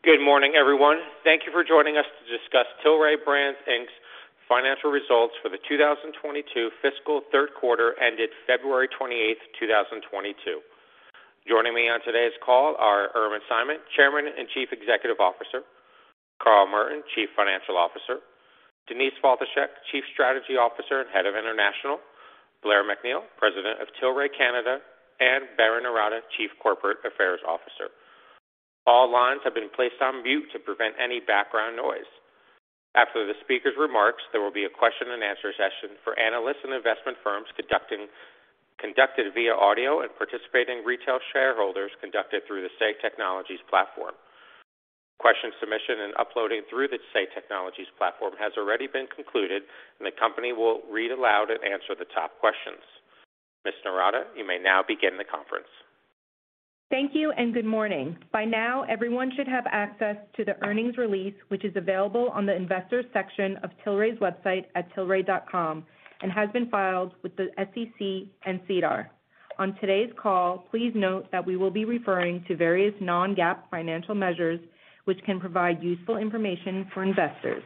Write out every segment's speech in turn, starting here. Good morning, everyone. Thank you for joining us to discuss Tilray Brands, Inc.'s financial results for the 2022 fiscal third quarter ended February 28th, 2022. Joining me on today's call are Irwin Simon, Chairman and Chief Executive Officer, Carl Merton, Chief Financial Officer, Denise Faltischek, Chief Strategy Officer and Head of International, Blair MacNeil, President of Tilray Canada, and Berrin Noorata, Chief Corporate Affairs Officer. All lines have been placed on mute to prevent any background noise. After the speaker's remarks, there will be a question-and-answer session for analysts and investment firms conducted via audio and participating retail shareholders conducted through the Say Technologies platform. Question submission and uploading through the Say Technologies platform has already been concluded, and the company will read aloud and answer the top questions. Ms. Noorata, you may now begin the conference. Thank you and good morning. By now, everyone should have access to the earnings release, which is available on the Investors section of Tilray's website at tilray.com and has been filed with the SEC and SEDAR. On today's call, please note that we will be referring to various non-GAAP financial measures which can provide useful information for investors.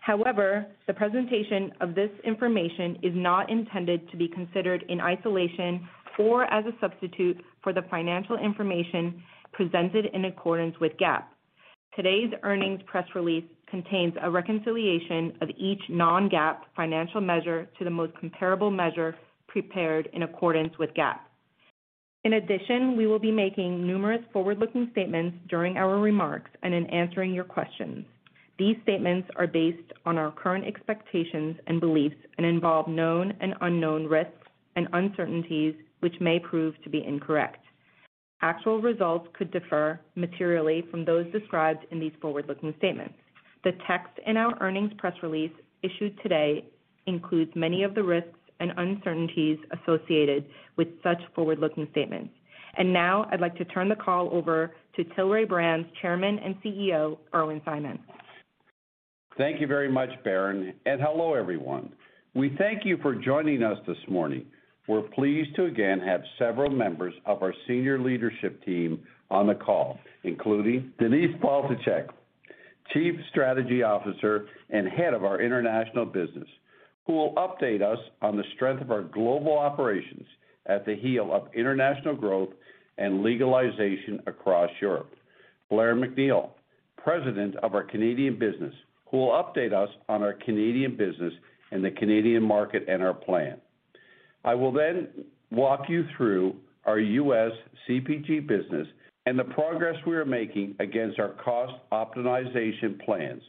However, the presentation of this information is not intended to be considered in isolation or as a substitute for the financial information presented in accordance with GAAP. Today's earnings press release contains a reconciliation of each non-GAAP financial measure to the most comparable measure prepared in accordance with GAAP. In addition, we will be making numerous forward-looking statements during our remarks and in answering your questions. These statements are based on our current expectations and beliefs and involve known and unknown risks and uncertainties, which may prove to be incorrect. Actual results could differ materially from those described in these forward-looking statements. The text in our earnings press release issued today includes many of the risks and uncertainties associated with such forward-looking statements. Now I'd like to turn the call over to Tilray Brands' Chairman and CEO, Irwin Simon. Thank you very much, Berrin Noorata, and hello, everyone. We thank you for joining us this morning. We're pleased to again have several members of our senior leadership team on the call, including Denise Faltischek, Chief Strategy Officer and Head of our International Business, who will update us on the strength of our global operations on the heels of international growth and legalization across Europe. Blair MacNeil, President of our Canadian Business, who will update us on our Canadian business and the Canadian market and our plan. I will then walk you through our U.S. CPG business and the progress we are making against our cost optimization plans.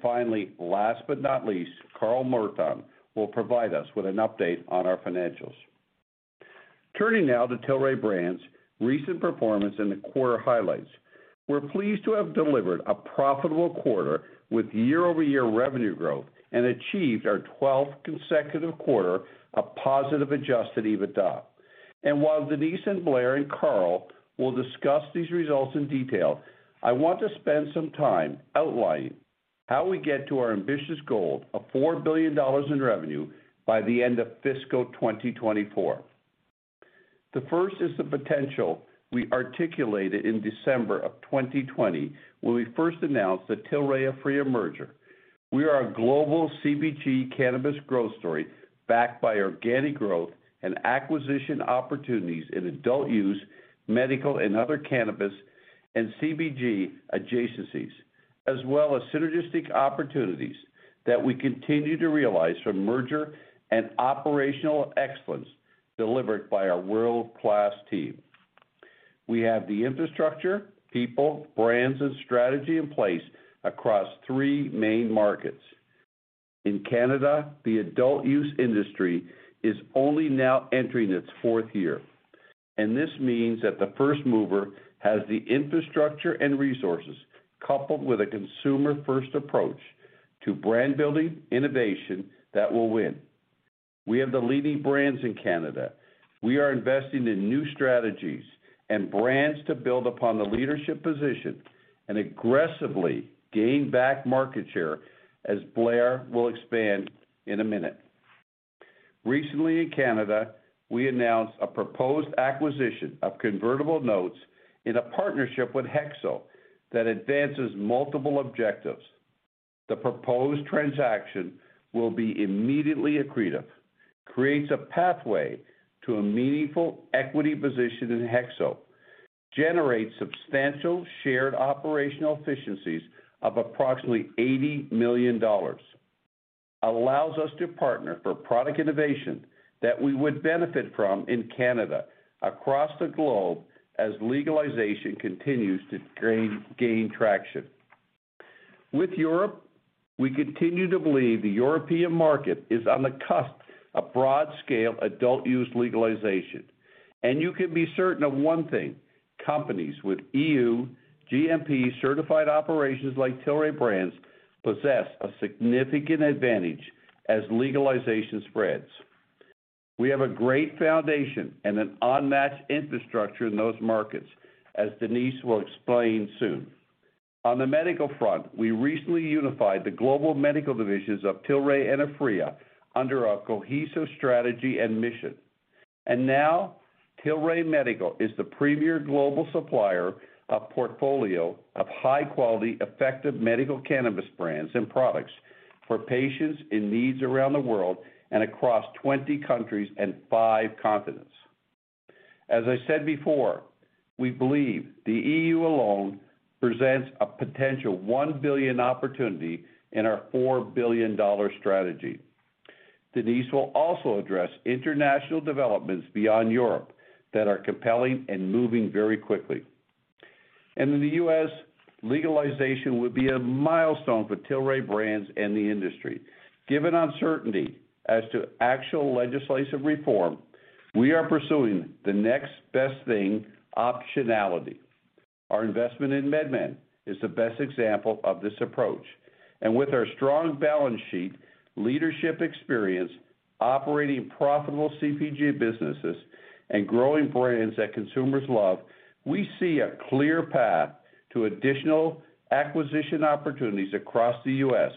Finally, last but not least, Carl Merton will provide us with an update on our financials. Turning now to Tilray Brands' recent performance in the quarter highlights. We're pleased to have delivered a profitable quarter with year-over-year revenue growth and achieved our twelfth consecutive quarter of positive adjusted EBITDA. While Denise, and Blair, and Carl will discuss these results in detail, I want to spend some time outlining how we get to our ambitious goal of $4 billion in revenue by the end of fiscal 2024. The first is the potential we articulated in December 2020, when we first announced the Tilray-Aphria merger. We are a global CPG cannabis growth story backed by organic growth and acquisition opportunities in adult-use, medical, and other cannabis, and CPG adjacencies, as well as synergistic opportunities that we continue to realize from merger and operational excellence delivered by our world-class team. We have the infrastructure, people, brands, and strategy in place across three main markets. In Canada, the adult use industry is only now entering its fourth year, and this means that the first mover has the infrastructure and resources coupled with a consumer-first approach to brand-building innovation that will win. We have the leading brands in Canada. We are investing in new strategies and brands to build upon the leadership position and aggressively gain back market share, as Blair will expand in a minute. Recently in Canada, we announced a proposed acquisition of convertible notes in a partnership with Hexo that advances multiple objectives. The proposed transaction will be immediately accretive, creates a pathway to a meaningful equity position in Hexo, generates substantial shared operational efficiencies of approximately $80 million, allows us to partner for product innovation that we would benefit from in Canada across the globe as legalization continues to gain traction. With Europe, we continue to believe the European market is on the cusp of broad-scale adult use legalization, and you can be certain of one thing: companies with EU GMP-certified operations like Tilray Brands possess a significant advantage as legalization spreads. We have a great foundation and an unmatched infrastructure in those markets, as Denise will explain soon. On the medical front, we recently unified the global medical divisions of Tilray and Aphria under our cohesive strategy and mission. Now, Tilray Medical is the premier global supplier of portfolio of high quality, effective medical cannabis brands and products for patients in needs around the world and across 20 countries and five continents. As I said before, we believe the EU alone presents a potential $1 billion opportunity in our $4 billion strategy. Denise will also address international developments beyond Europe that are compelling and moving very quickly. In the U.S., legalization would be a milestone for Tilray Brands and the industry. Given uncertainty as to actual legislative reform, we are pursuing the next best thing, optionality. Our investment in MedMen is the best example of this approach. With our strong balance sheet, leadership experience, operating profitable CPG businesses, and growing brands that consumers love, we see a clear path to additional acquisition opportunities across the U.S.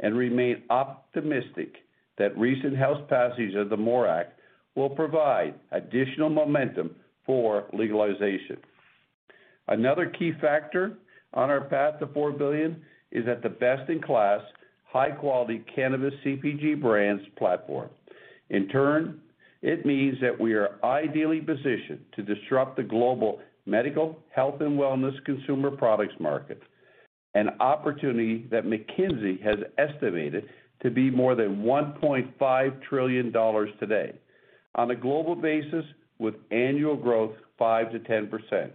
and remain optimistic that recent House passage of the MORE Act will provide additional momentum for legalization. Another key factor on our path to $4 billion is that the best-in-class, high-quality cannabis CPG brands platform. In turn, it means that we are ideally positioned to disrupt the global medical health and wellness consumer products market, an opportunity that McKinsey has estimated to be more than $1.5 trillion today on a global basis with annual growth 5%-10%.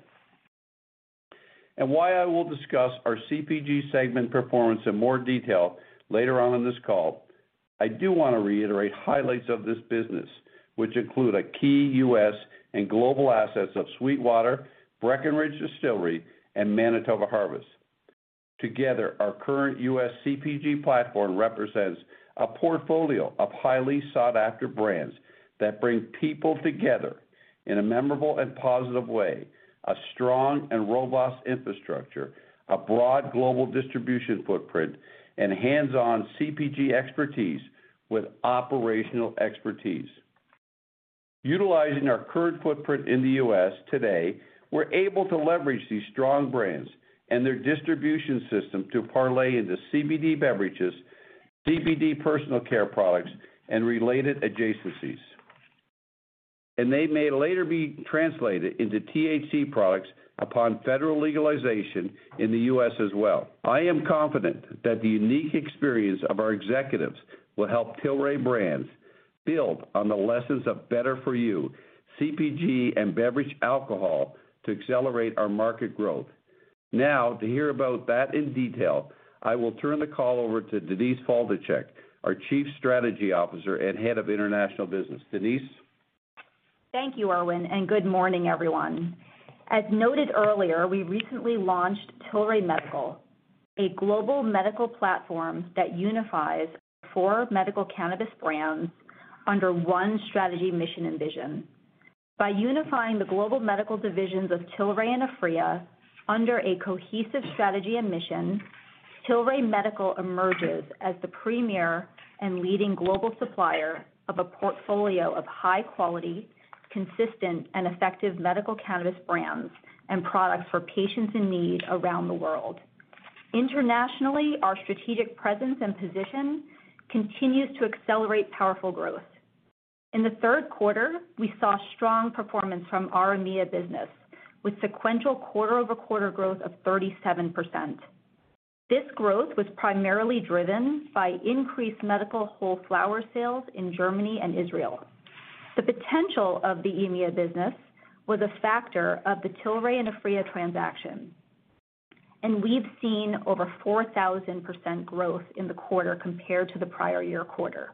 While I will discuss our CPG segment performance in more detail later on in this call, I do wanna reiterate highlights of this business, which include a key U.S. and global assets of SweetWater, Breckenridge Distillery, and Manitoba Harvest. Together, our current U.S. CPG platform represents a portfolio of highly sought-after brands that bring people together in a memorable and positive way, a strong and robust infrastructure, a broad global distribution footprint, and hands-on CPG expertise with operational expertise. Utilizing our current footprint in the U.S. today, we're able to leverage these strong brands and their distribution system to parlay into CBD beverages, CBD personal care products, and related adjacencies. They may later be translated into THC products upon federal legalization in the U.S. as well. I am confident that the unique experience of our executives will help Tilray Brands build on the lessons of Better for You, CPG, and beverage alcohol to accelerate our market growth. Now, to hear about that in detail, I will turn the call over to Denise Faltischek, our Chief Strategy Officer and Head of International. Denise. Thank you, Irwin, and good morning, everyone. As noted earlier, we recently launched Tilray Medical, a global medical platform that unifies four medical cannabis brands under one strategy, mission, and vision. By unifying the global medical divisions of Tilray and Aphria under a cohesive strategy and mission, Tilray Medical emerges as the premier and leading global supplier of a portfolio of high quality, consistent, and effective medical cannabis brands and products for patients in need around the world. Internationally, our strategic presence and position continues to accelerate powerful growth. In the third quarter, we saw strong performance from our EMEA business, with sequential quarter-over-quarter growth of 37%. This growth was primarily driven by increased medical whole flower sales in Germany and Israel. The potential of the EMEA business was a factor of the Tilray and Aphria transaction. We've seen over 4,000% growth in the quarter compared to the prior year quarter.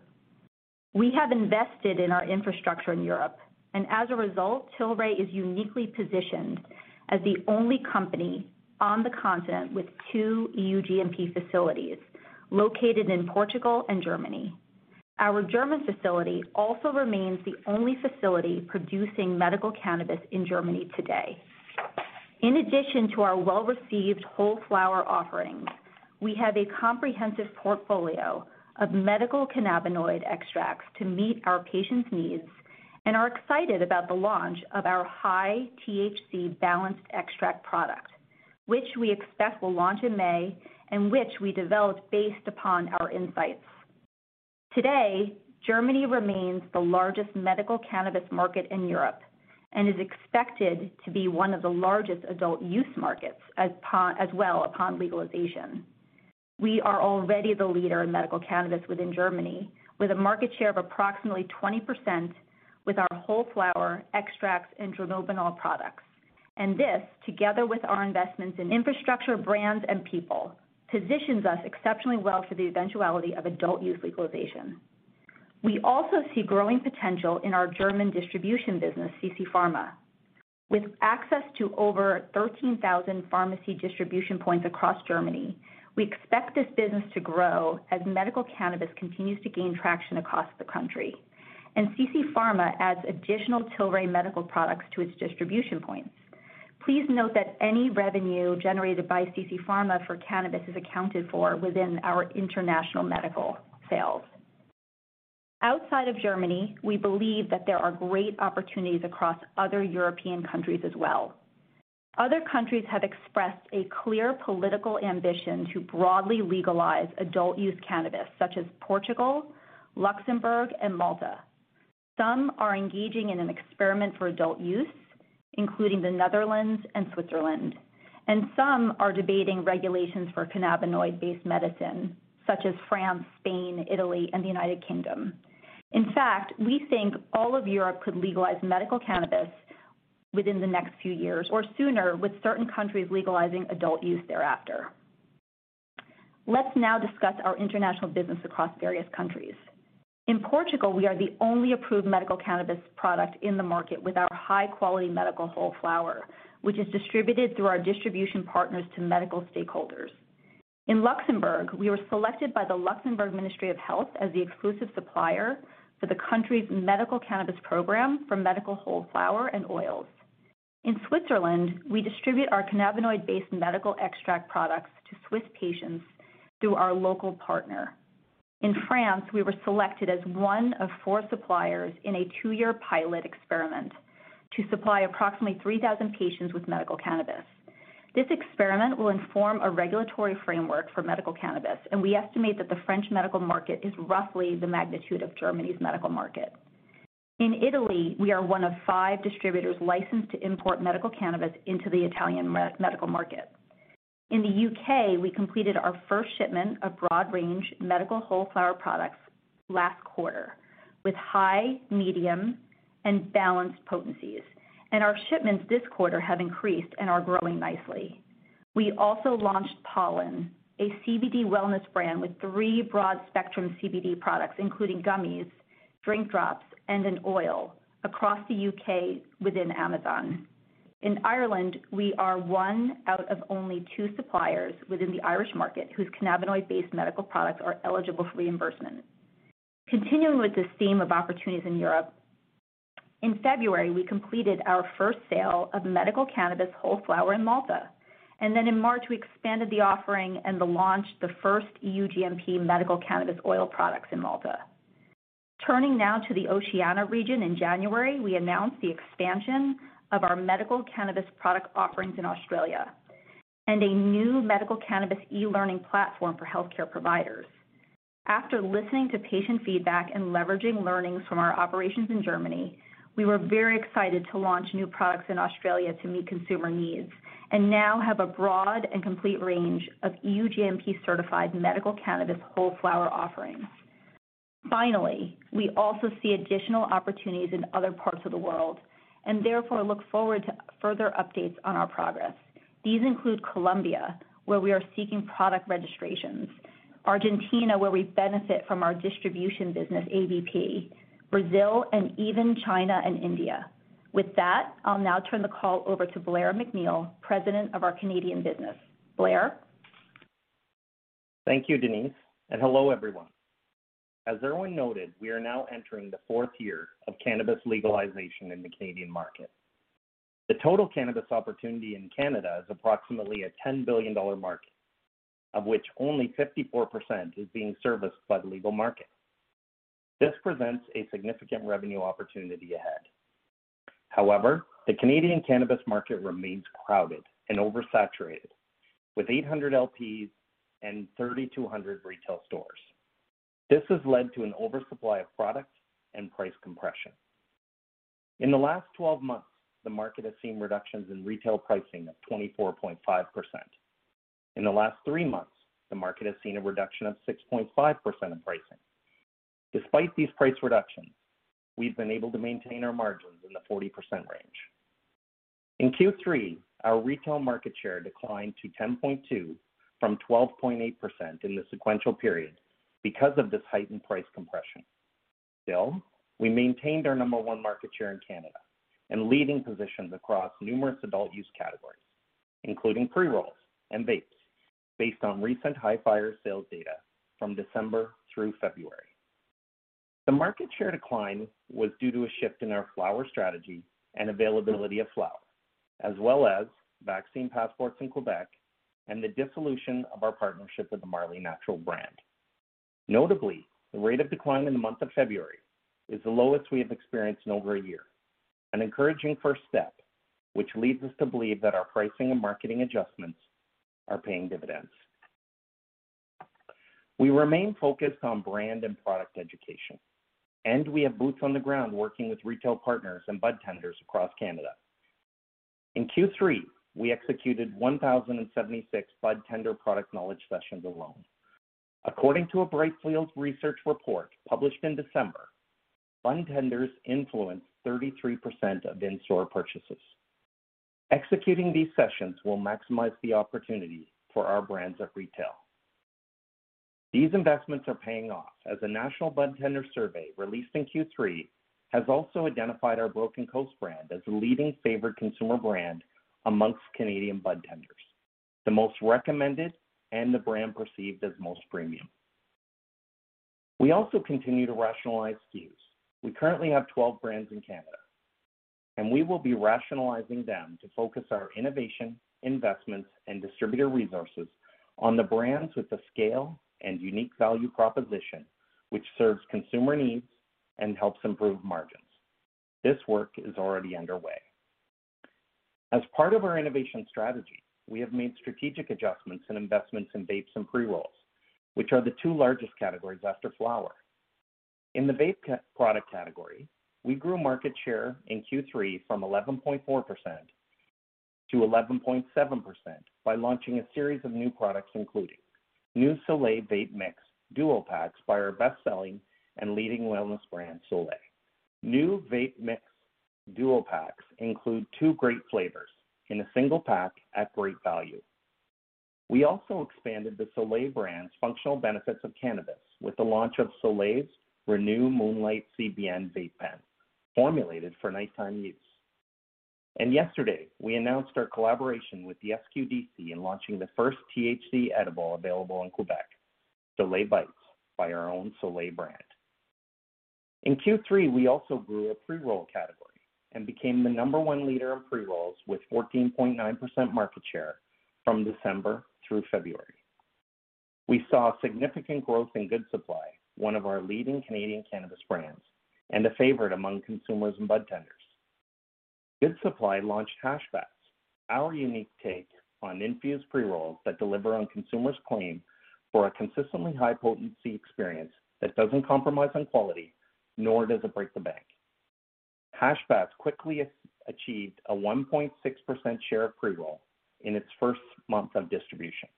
We have invested in our infrastructure in Europe, and as a result, Tilray is uniquely positioned as the only company on the continent with two EU GMP facilities located in Portugal and Germany. Our German facility also remains the only facility producing medical cannabis in Germany today. In addition to our well-received whole flower offerings, we have a comprehensive portfolio of medical cannabinoid extracts to meet our patients' needs and are excited about the launch of our high-THC balanced extract product, which we expect will launch in May and which we developed based upon our insights. Today, Germany remains the largest medical cannabis market in Europe and is expected to be one of the largest adult use markets as well upon legalization. We are already the leader in medical cannabis within Germany, with a market share of approximately 20% with our whole flower, extracts, and dronabinol products. This, together with our investments in infrastructure, brands, and people, positions us exceptionally well for the eventuality of adult use legalization. We also see growing potential in our German distribution business, CC Pharma. With access to over 13,000 pharmacy distribution points across Germany, we expect this business to grow as medical cannabis continues to gain traction across the country, and CC Pharma adds additional Tilray Medical products to its distribution points. Please note that any revenue generated by CC Pharma for cannabis is accounted for within our international medical sales. Outside of Germany, we believe that there are great opportunities across other European countries as well. Other countries have expressed a clear political ambition to broadly legalize adult use cannabis, such as Portugal, Luxembourg, and Malta. Some are engaging in an experiment for adult use, including the Netherlands and Switzerland, and some are debating regulations for cannabinoid-based medicine, such as France, Spain, Italy, and the United Kingdom. In fact, we think all of Europe could legalize medical cannabis within the next few years, or sooner, with certain countries legalizing adult use thereafter. Let's now discuss our international business across various countries. In Portugal, we are the only approved medical cannabis product in the market with our high-quality medical whole flower, which is distributed through our distribution partners to medical stakeholders. In Luxembourg, we were selected by the Luxembourg Ministry of Health as the exclusive supplier for the country's medical cannabis program for medical whole flower and oils. In Switzerland, we distribute our cannabinoid-based medical extract products to Swiss patients through our local partner. In France, we were selected as one of four suppliers in a two-year pilot experiment to supply approximately 3,000 patients with medical cannabis. This experiment will inform a regulatory framework for medical cannabis, and we estimate that the French medical market is roughly the magnitude of Germany's medical market. In Italy, we are one of five distributors licensed to import medical cannabis into the Italian medical market. In the U.K., we completed our first shipment of broad-range medical whole flower products last quarter with high, medium, and balanced potencies, and our shipments this quarter have increased and are growing nicely. We also launched Pollen, a CBD wellness brand with three broad-spectrum CBD products, including gummies, drink drops, and an oil across the U.K. within Amazon. In Ireland, we are one out of only two suppliers within the Irish market whose cannabinoid-based medical products are eligible for reimbursement. Continuing with this theme of opportunities in Europe, in February, we completed our first sale of medical cannabis whole flower in Malta, and then in March, we expanded the offering and launched the first EU GMP medical cannabis oil products in Malta. Turning now to the Oceania region, in January, we announced the expansion of our medical cannabis product offerings in Australia and a new medical cannabis e-learning platform for healthcare providers. After listening to patient feedback and leveraging learnings from our operations in Germany, we were very excited to launch new products in Australia to meet consumer needs and now have a broad and complete range of EU GMP-certified medical cannabis whole flower offerings. Finally, we also see additional opportunities in other parts of the world and therefore look forward to further updates on our progress. These include Colombia, where we are seeking product registrations, Argentina, where we benefit from our distribution business, AVP, Brazil, and even China and India. With that, I'll now turn the call over to Blair MacNeil, President of our Canadian business. Blair. Thank you, Denise, and hello, everyone. As Irwin noted, we are now entering the fourth year of cannabis legalization in the Canadian market. The total cannabis opportunity in Canada is approximately a $10 billion market, of which only 54% is being serviced by the legal market. This presents a significant revenue opportunity ahead. However, the Canadian cannabis market remains crowded and oversaturated with 800 LPs and 3,200 retail stores. This has led to an oversupply of products and price compression. In the last 12 months, the market has seen reductions in retail pricing of 24.5%. In the last three months, the market has seen a reduction of 6.5% in pricing. Despite these price reductions, we've been able to maintain our margins in the 40% range. In Q3, our retail market share declined to 10.2% from 12.8% in the sequential period because of this heightened price compression. Still, we maintained our number one market share in Canada and leading positions across numerous adult-use categories, including pre-rolls and vapes based on recent Hifyre sales data from December through February. The market share decline was due to a shift in our flower strategy and availability of flower, as well as vaccine passports in Quebec and the dissolution of our partnership with the Marley Natural brand. Notably, the rate of decline in the month of February is the lowest we have experienced in over a year, an encouraging first step which leads us to believe that our pricing and marketing adjustments are paying dividends. We remain focused on brand and product education, and we have boots on the ground working with retail partners and budtenders across Canada. In Q3, we executed 1,076 budtender product knowledge sessions alone. According to a Brightfield research report published in December, budtenders influence 33% of in-store purchases. Executing these sessions will maximize the opportunity for our brands at retail. These investments are paying off as a national budtender survey released in Q3 has also identified our Broken Coast brand as the leading favored consumer brand amongst Canadian budtenders, the most recommended, and the brand perceived as most premium. We also continue to rationalize SKUs. We currently have 12 brands in Canada, and we will be rationalizing them to focus our innovation, investments, and distributor resources on the brands with the scale and unique value proposition which serves consumer needs and helps improve margins. This work is already underway. As part of our innovation strategy, we have made strategic adjustments and investments in vapes and pre-rolls, which are the two largest categories after flower. In the vape product category, we grew market share in Q3 from 11.4% to 11.7% by launching a series of new products, including new Soleil Vape Mix Duo Packs by our best-selling and leading wellness brand, Soleil. New Vape Mix Duo Packs include two great flavors in a single pack at great value. We also expanded the Soleil brand's functional benefits of cannabis with the launch of Soleil's Renew Moonlight CBN Vape Pen, formulated for nighttime use. Yesterday, we announced our collaboration with the SQDC in launching the first THC edible available in Quebec, Soleil Bites by our own Soleil brand. In Q3, we also grew a pre-roll category and became the number one leader in pre-rolls with 14.9% market share from December through February. We saw significant growth in Good Supply, one of our leading Canadian cannabis brands and a favorite among consumers and bud tenders. Good Supply launched Hash Bats, our unique take on infused pre-rolls that deliver on consumers' claim for a consistently high-potency experience that doesn't compromise on quality, nor does it break the bank. Hash Bats quickly achieved a 1.6% share of pre-roll in its first month of distribution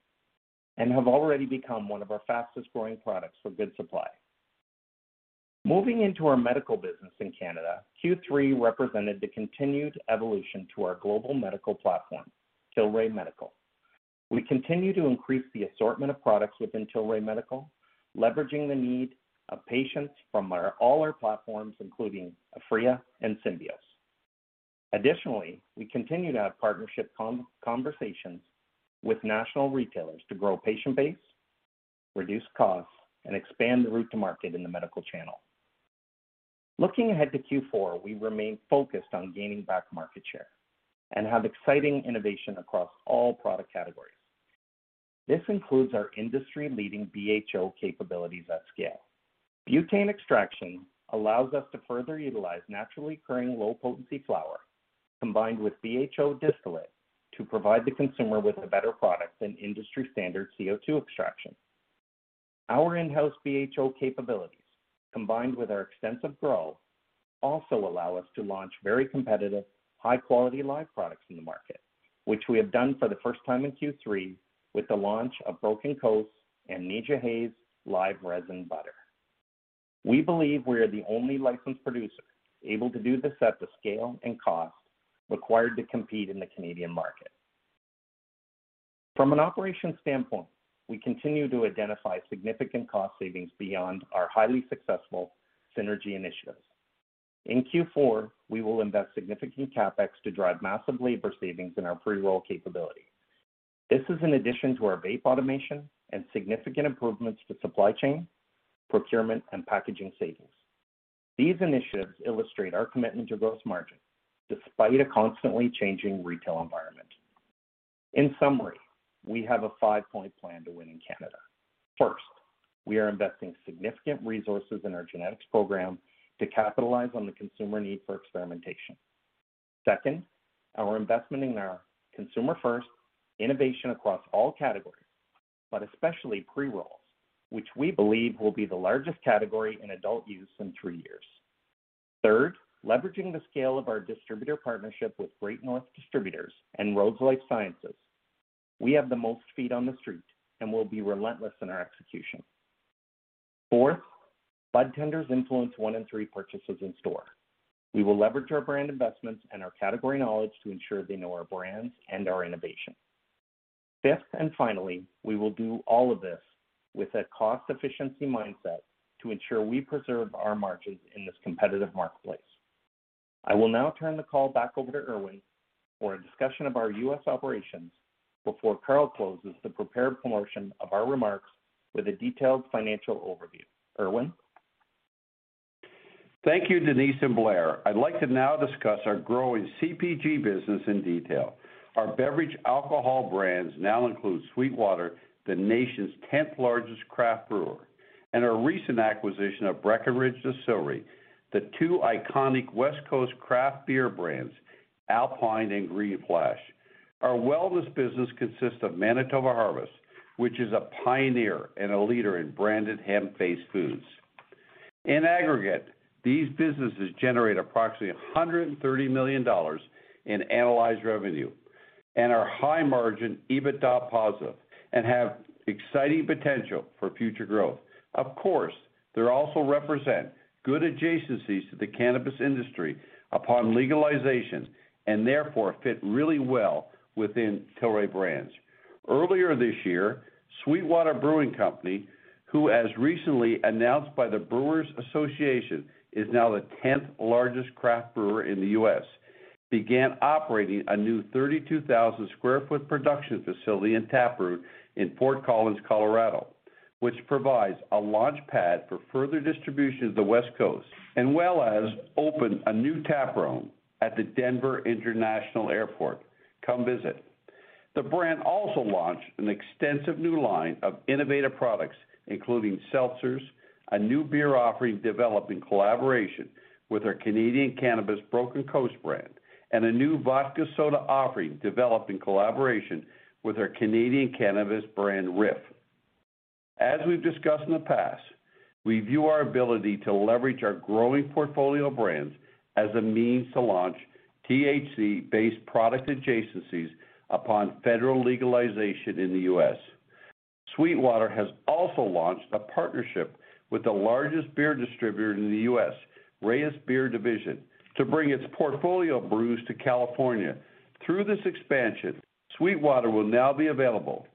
and have already become one of our fastest-growing products for Good Supply. Moving into our medical business in Canada, Q3 represented the continued evolution to our global medical platform, Tilray Medical. We continue to increase the assortment of products within Tilray Medical, leveraging the need of patients from all our platforms, including Aphria and Symbios. Additionally, we continue to have partnership conversations with national retailers to grow patient base, reduce costs, and expand the route to market in the medical channel. Looking ahead to Q4, we remain focused on gaining back market share and have exciting innovation across all product categories. This includes our industry-leading BHO capabilities at scale. Butane extraction allows us to further utilize naturally occurring low-potency flower combined with BHO distillate to provide the consumer with a better product than industry-standard CO2 extraction. Our in-house BHO capabilities, combined with our extensive growth, also allow us to launch very competitive, high-quality live products in the market, which we have done for the first time in Q3 with the launch of Broken Coast and Ninja Fruit Live Resin Budder. We believe we are the only licensed producer able to do this at the scale and cost required to compete in the Canadian market. From an operations standpoint, we continue to identify significant cost savings beyond our highly successful synergy initiatives. In Q4, we will invest significant CapEx to drive massive labor savings in our pre-roll capability. This is in addition to our vape automation and significant improvements to supply chain, procurement, and packaging savings. These initiatives illustrate our commitment to gross margin despite a constantly changing retail environment. In summary, we have a five-point plan to win in Canada. First, we are investing significant resources in our genetics program to capitalize on the consumer need for experimentation. Second, our investment in our consumer-first innovation across all categories, but especially pre-rolls, which we believe will be the largest category in adult use in three years. Third, leveraging the scale of our distributor partnership with Great North Distributors and Rose LifeScience. We have the most feet on the street and will be relentless in our execution. Fourth, bud tenders influence 1/3 of purchases in store. We will leverage our brand investments and our category knowledge to ensure they know our brands and our innovation. Fifth, and finally, we will do all of this with a cost-efficiency mindset to ensure we preserve our margins in this competitive marketplace. I will now turn the call back over to Irwin for a discussion of our U.S. operations before Carl closes the prepared portion of our remarks with a detailed financial overview. Irwin? Thank you, Denise and Blair. I'd like to now discuss our growing CPG business in detail. Our beverage alcohol brands now include SweetWater, the nation's 10th-largest craft brewer, and our recent acquisition of Breckenridge Distillery, the two iconic West Coast craft beer brands, Alpine and Green Flash. Our wellness business consists of Manitoba Harvest, which is a pioneer and a leader in branded hemp-based foods. In aggregate, these businesses generate approximately $130 million in annualized revenue and are high-margin, EBITDA positive, and have exciting potential for future growth. Of course, they also represent good adjacencies to the cannabis industry upon legalization and therefore fit really well within Tilray Brands. Earlier this year, SweetWater Brewing Company, which, as recently announced by the Brewers Association, is now the 10th-largest craft brewer in the U.S., began operating a new 32,000 sq ft production facility in [Taproot] in Fort Collins, Colorado, which provides a launchpad for further distribution to the West Coast, as well as opened a new taproom at the Denver International Airport. Come visit. The brand also launched an extensive new line of innovative products, including seltzers, a new beer offering developed in collaboration with our Canadian cannabis Broken Coast brand, and a new vodka soda offering developed in collaboration with our Canadian cannabis brand, RIFF. As we've discussed in the past, we view our ability to leverage our growing portfolio of brands as a means to launch THC-based product adjacencies upon federal legalization in the U.S. SweetWater has also launched a partnership with the largest beer distributor in the U.S., Reyes Beer Division, to bring its portfolio of brews to California. Through this expansion, SweetWater will now be available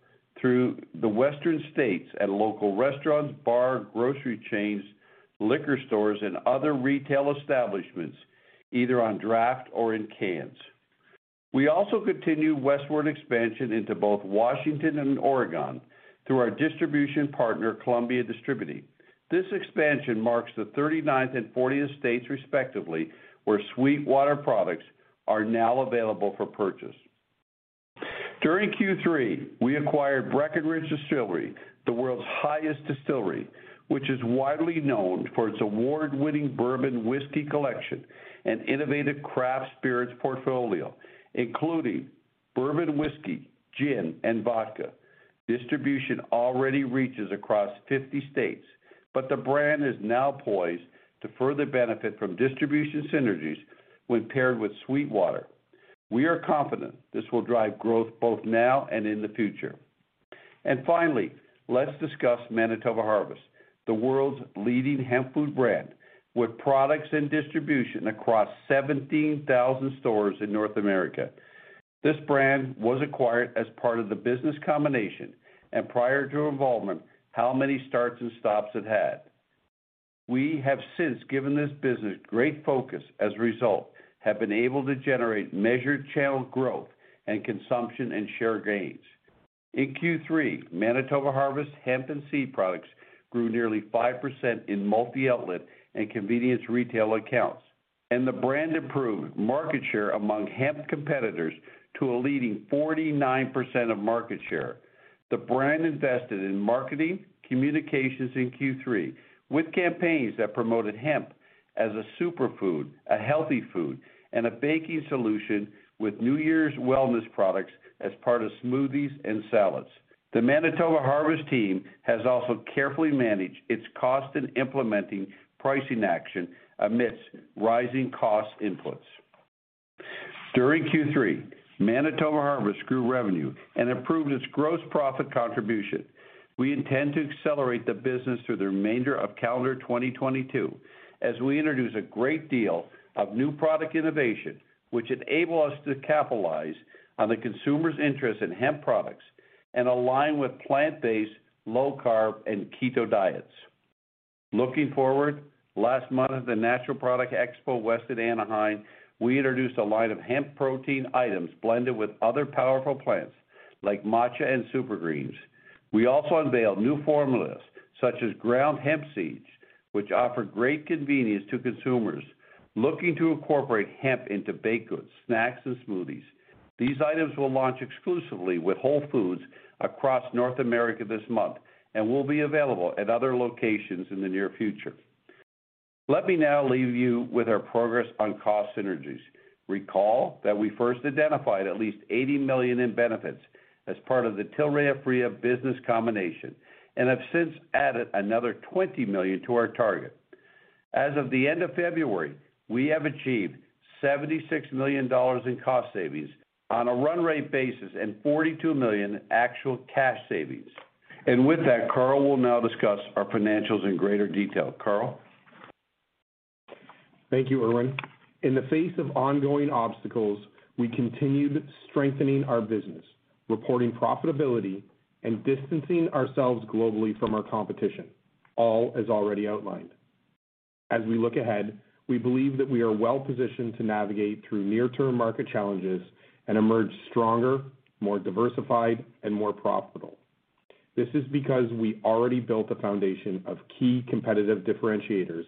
through the Western states at local restaurants, bars, grocery chains, liquor stores, and other retail establishments, either on draft or in cans. We also continue westward expansion into both Washington and Oregon through our distribution partner, Columbia Distributing. This expansion marks the 39th and 40th states respectively, where SweetWater products are now available for purchase. During Q3, we acquired Breckenridge Distillery, the world's highest distillery, which is widely known for its award-winning bourbon whiskey collection and innovative craft spirits portfolio, including bourbon whiskey, gin, and vodka. Distribution already reaches across 50 states, but the brand is now poised to further benefit from distribution synergies when paired with SweetWater. We are confident this will drive growth both now and in the future. Finally, let's discuss Manitoba Harvest, the world's leading hemp food brand, with products and distribution across 17,000 stores in North America. This brand was acquired as part of the business combination, and prior to involvement, so many starts and stops it had. We have since given this business great focus. As a result, we have been able to generate measured channel growth and consumption and share gains. In Q3, Manitoba Harvest hemp and seed products grew nearly 5% in multi-outlet and convenience retail accounts, and the brand improved market share among hemp competitors to a leading 49% of market share. The brand invested in marketing, communications in Q3 with campaigns that promoted hemp as a superfood, a healthy food, and a baking solution with New Year's wellness products as part of smoothies and salads. The Manitoba Harvest team has also carefully managed its cost in implementing pricing action amidst rising cost inputs. During Q3, Manitoba Harvest grew revenue and improved its gross profit contribution. We intend to accelerate the business through the remainder of calendar 2022 as we introduce a great deal of new product innovation, which enable us to capitalize on the consumer's interest in hemp products and align with plant-based, low-carb, and keto diets. Looking forward, last month at the Natural Products Expo West at Anaheim, we introduced a line of hemp protein items blended with other powerful plants like matcha and super greens. We also unveiled new formulas such as ground hemp seeds, which offer great convenience to consumers looking to incorporate hemp into baked goods, snacks, and smoothies. These items will launch exclusively with Whole Foods across North America this month and will be available at other locations in the near future. Let me now leave you with our progress on cost synergies. Recall that we first identified at least $80 million in benefits as part of the Tilray-Aphria business combination and have since added another $20 million to our target. As of the end of February, we have achieved $76 million in cost savings on a run rate basis and $42 million actual cash savings. With that, Carl will now discuss our financials in greater detail. Carl? Thank you, Irwin. In the face of ongoing obstacles, we continued strengthening our business, reporting profitability and distancing ourselves globally from our competition, all as already outlined. As we look ahead, we believe that we are well-positioned to navigate through near-term market challenges and emerge stronger, more diversified, and more profitable. This is because we already built a foundation of key competitive differentiators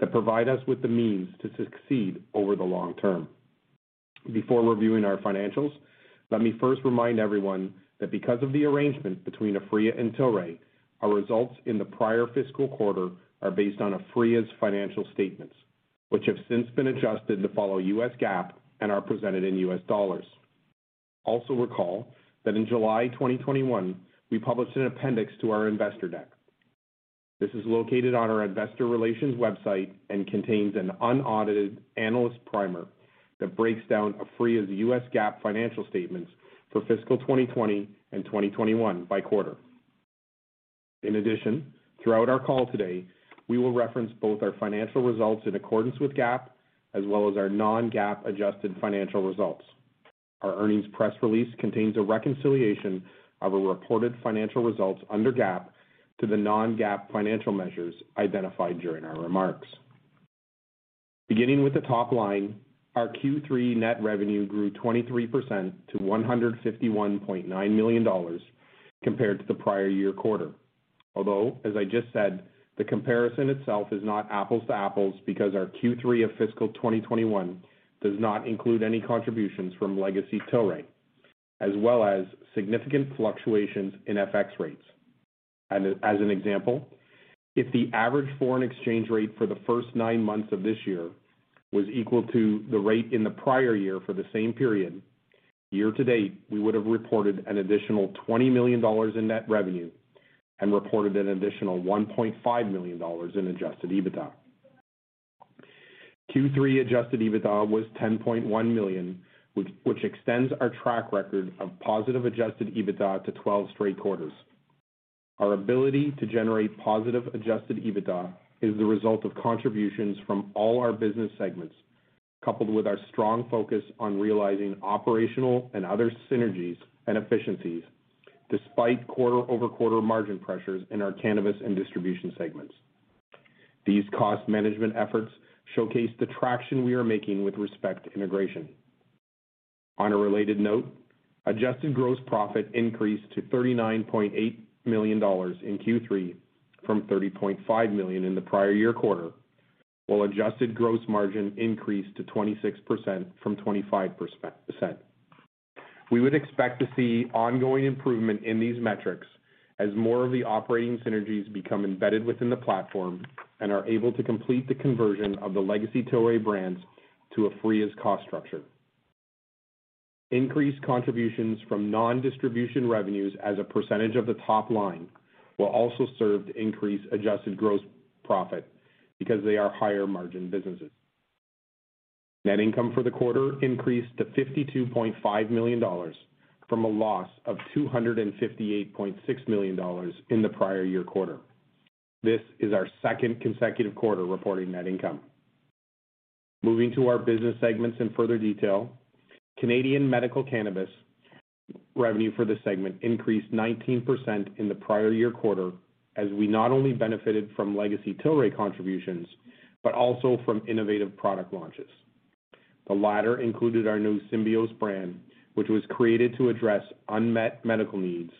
that provide us with the means to succeed over the long term. Before reviewing our financials, let me first remind everyone that because of the arrangement between Aphria and Tilray, our results in the prior fiscal quarter are based on Aphria's financial statements, which have since been adjusted to follow U.S. GAAP and are presented in U.S. dollars. Also recall that in July 2021, we published an appendix to our investor deck. This is located on our investor relations website and contains an unaudited analyst primer that breaks down Aphria's U.S. GAAP financial statements for fiscal 2020 and 2021 by quarter. In addition, throughout our call today, we will reference both our financial results in accordance with GAAP as well as our non-GAAP adjusted financial results. Our earnings press release contains a reconciliation of our reported financial results under GAAP to the non-GAAP financial measures identified during our remarks. Beginning with the top line, our Q3 net revenue grew 23% to $151.9 million compared to the prior year quarter. Although, as I just said, the comparison itself is not apples to apples because our Q3 of fiscal 2021 does not include any contributions from legacy Tilray, as well as significant fluctuations in FX rates. As an example, if the average foreign exchange rate for the first nine months of this year was equal to the rate in the prior year for the same period, year-to-date, we would have reported an additional $20 million in net revenue and reported an additional $1.5 million in adjusted EBITDA. Q3 adjusted EBITDA was $10.1 million, which extends our track record of positive adjusted EBITDA to 12 straight quarters. Our ability to generate positive adjusted EBITDA is the result of contributions from all our business segments, coupled with our strong focus on realizing operational and other synergies and efficiencies despite quarter-over-quarter margin pressures in our cannabis and distribution segments. These cost management efforts showcase the traction we are making with respect to integration. On a related note, adjusted gross profit increased to $39.8 million in Q3 from $30.5 million in the prior year quarter, while adjusted gross margin increased to 26% from 25%. We would expect to see ongoing improvement in these metrics as more of the operating synergies become embedded within the platform and are able to complete the conversion of the legacy Tilray brands to a free as cost structure. Increased contributions from non-distribution revenues as a percentage of the top line will also serve to increase adjusted gross profit because they are higher margin businesses. Net income for the quarter increased to $52.5 million from a loss of $258.6 million in the prior year quarter. This is our second consecutive quarter reporting net income. Moving to our business segments in further detail. Canadian medical cannabis revenue for the segment increased 19% in the prior year quarter as we not only benefited from legacy Tilray contributions, but also from innovative product launches. The latter included our new Symbios brand, which was created to address unmet medical needs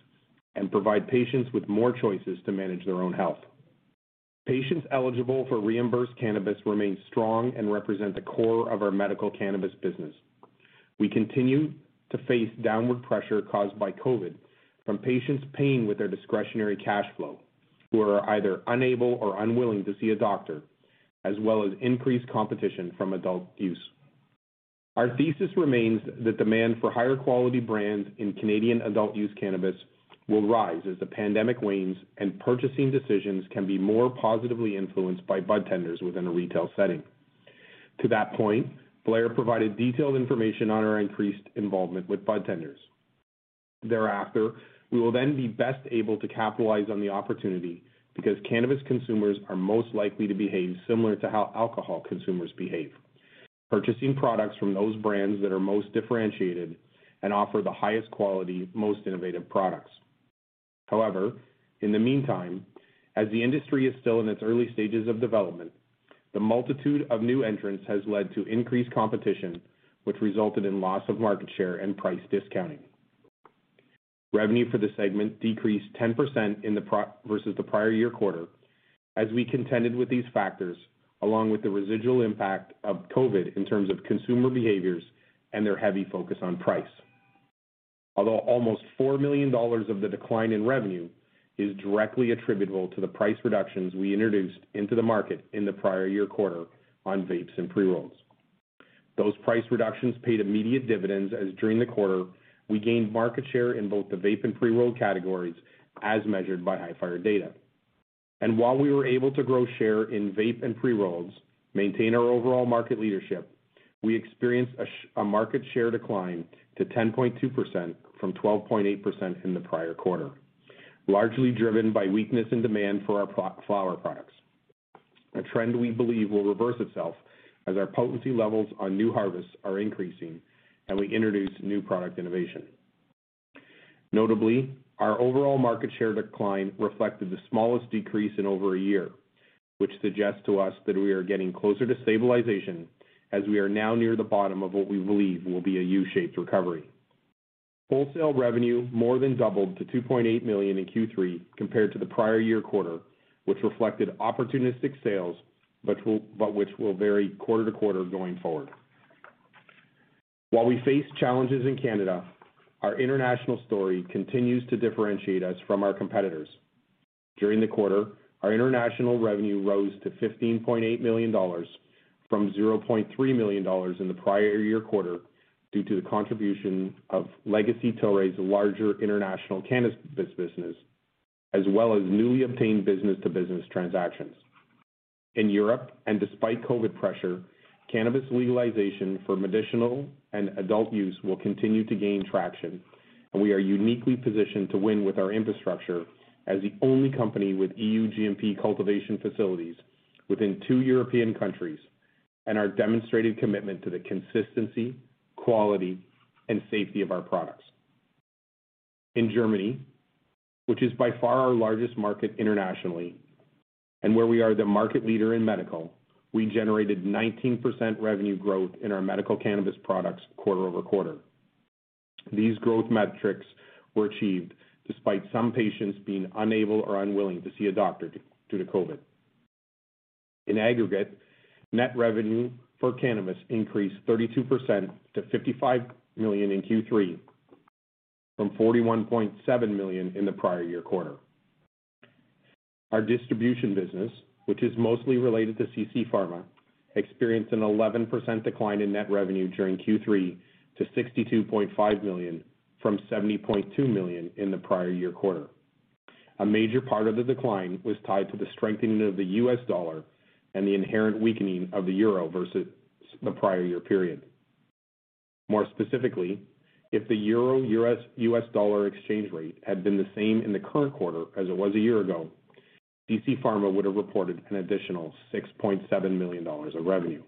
and provide patients with more choices to manage their own health. Patients eligible for reimbursed cannabis remain strong and represent the core of our medical cannabis business. We continue to face downward pressure caused by COVID from patients paying with their discretionary cash flow who are either unable or unwilling to see a doctor, as well as increased competition from adult use. Our thesis remains that demand for higher quality brands in Canadian adult use cannabis will rise as the pandemic wanes and purchasing decisions can be more positively influenced by budtenders within a retail setting. To that point, Blair provided detailed information on our increased involvement with budtenders. Thereafter, we will then be best able to capitalize on the opportunity because cannabis consumers are most likely to behave similar to how alcohol consumers behave, purchasing products from those brands that are most differentiated and offer the highest quality, most innovative products. However, in the meantime, as the industry is still in its early stages of development, the multitude of new entrants has led to increased competition, which resulted in loss of market share and price discounting. Revenue for the segment decreased 10% versus the prior year quarter as we contended with these factors along with the residual impact of COVID in terms of consumer behaviors and their heavy focus on price. Although almost $4 million of the decline in revenue is directly attributable to the price reductions we introduced into the market in the prior year quarter on vapes and pre-rolls. Those price reductions paid immediate dividends as during the quarter we gained market share in both the vape and pre-roll categories as measured by Hifyre Data. While we were able to grow share in vape and pre-rolls, maintain our overall market leadership, we experienced a market share decline to 10.2% from 12.8 in the prior quarter, largely driven by weakness in demand for our flower products. A trend we believe will reverse itself as our potency levels on new harvests are increasing and we introduce new product innovation. Notably, our overall market share decline reflected the smallest decrease in over a year, which suggests to us that we are getting closer to stabilization as we are now near the bottom of what we believe will be a U-shaped recovery. Wholesale revenue more than doubled to $2.8 million in Q3 compared to the prior year quarter, which reflected opportunistic sales, but which will vary quarter-to-quarter going forward. While we face challenges in Canada, our international story continues to differentiate us from our competitors. During the quarter, our international revenue rose to $15.8 million from $0.3 million in the prior year quarter due to the contribution of legacy Tilray's larger international cannabis business, as well as newly obtained business to business transactions. In Europe and despite COVID pressure, cannabis legalization for medicinal and adult use will continue to gain traction, and we are uniquely positioned to win with our infrastructure as the only company with EU GMP cultivation facilities within two European countries and our demonstrated commitment to the consistency, quality, and safety of our products. In Germany, which is by far our largest market internationally and where we are the market leader in medical, we generated 19% revenue growth in our medical cannabis products quarter-over-quarter. These growth metrics were achieved despite some patients being unable or unwilling to see a doctor due to COVID. In aggregate, net revenue for cannabis increased 32% to $55 million in Q3, from $41.7 million in the prior year quarter. Our distribution business, which is mostly related to CC Pharma, experienced an 11% decline in net revenue during Q3 to $62.5 million from $70.2 million in the prior year quarter. A major part of the decline was tied to the strengthening of the U.S. dollar and the inherent weakening of the euro versus the prior year period. More specifically, if the euro U.S. dollar exchange rate had been the same in the current quarter as it was a year ago, CC Pharma would have reported an additional $6.7 million of revenue.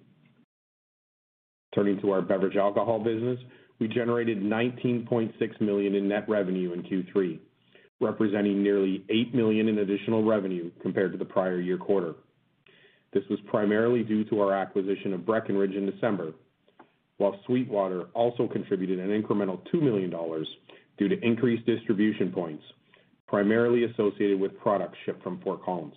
Turning to our beverage alcohol business. We generated $19.6 million in net revenue in Q3, representing nearly $8 million in additional revenue compared to the prior year quarter. This was primarily due to our acquisition of Breckenridge in December. While SweetWater also contributed an incremental $2 million due to increased distribution points, primarily associated with products shipped from Fort Collins.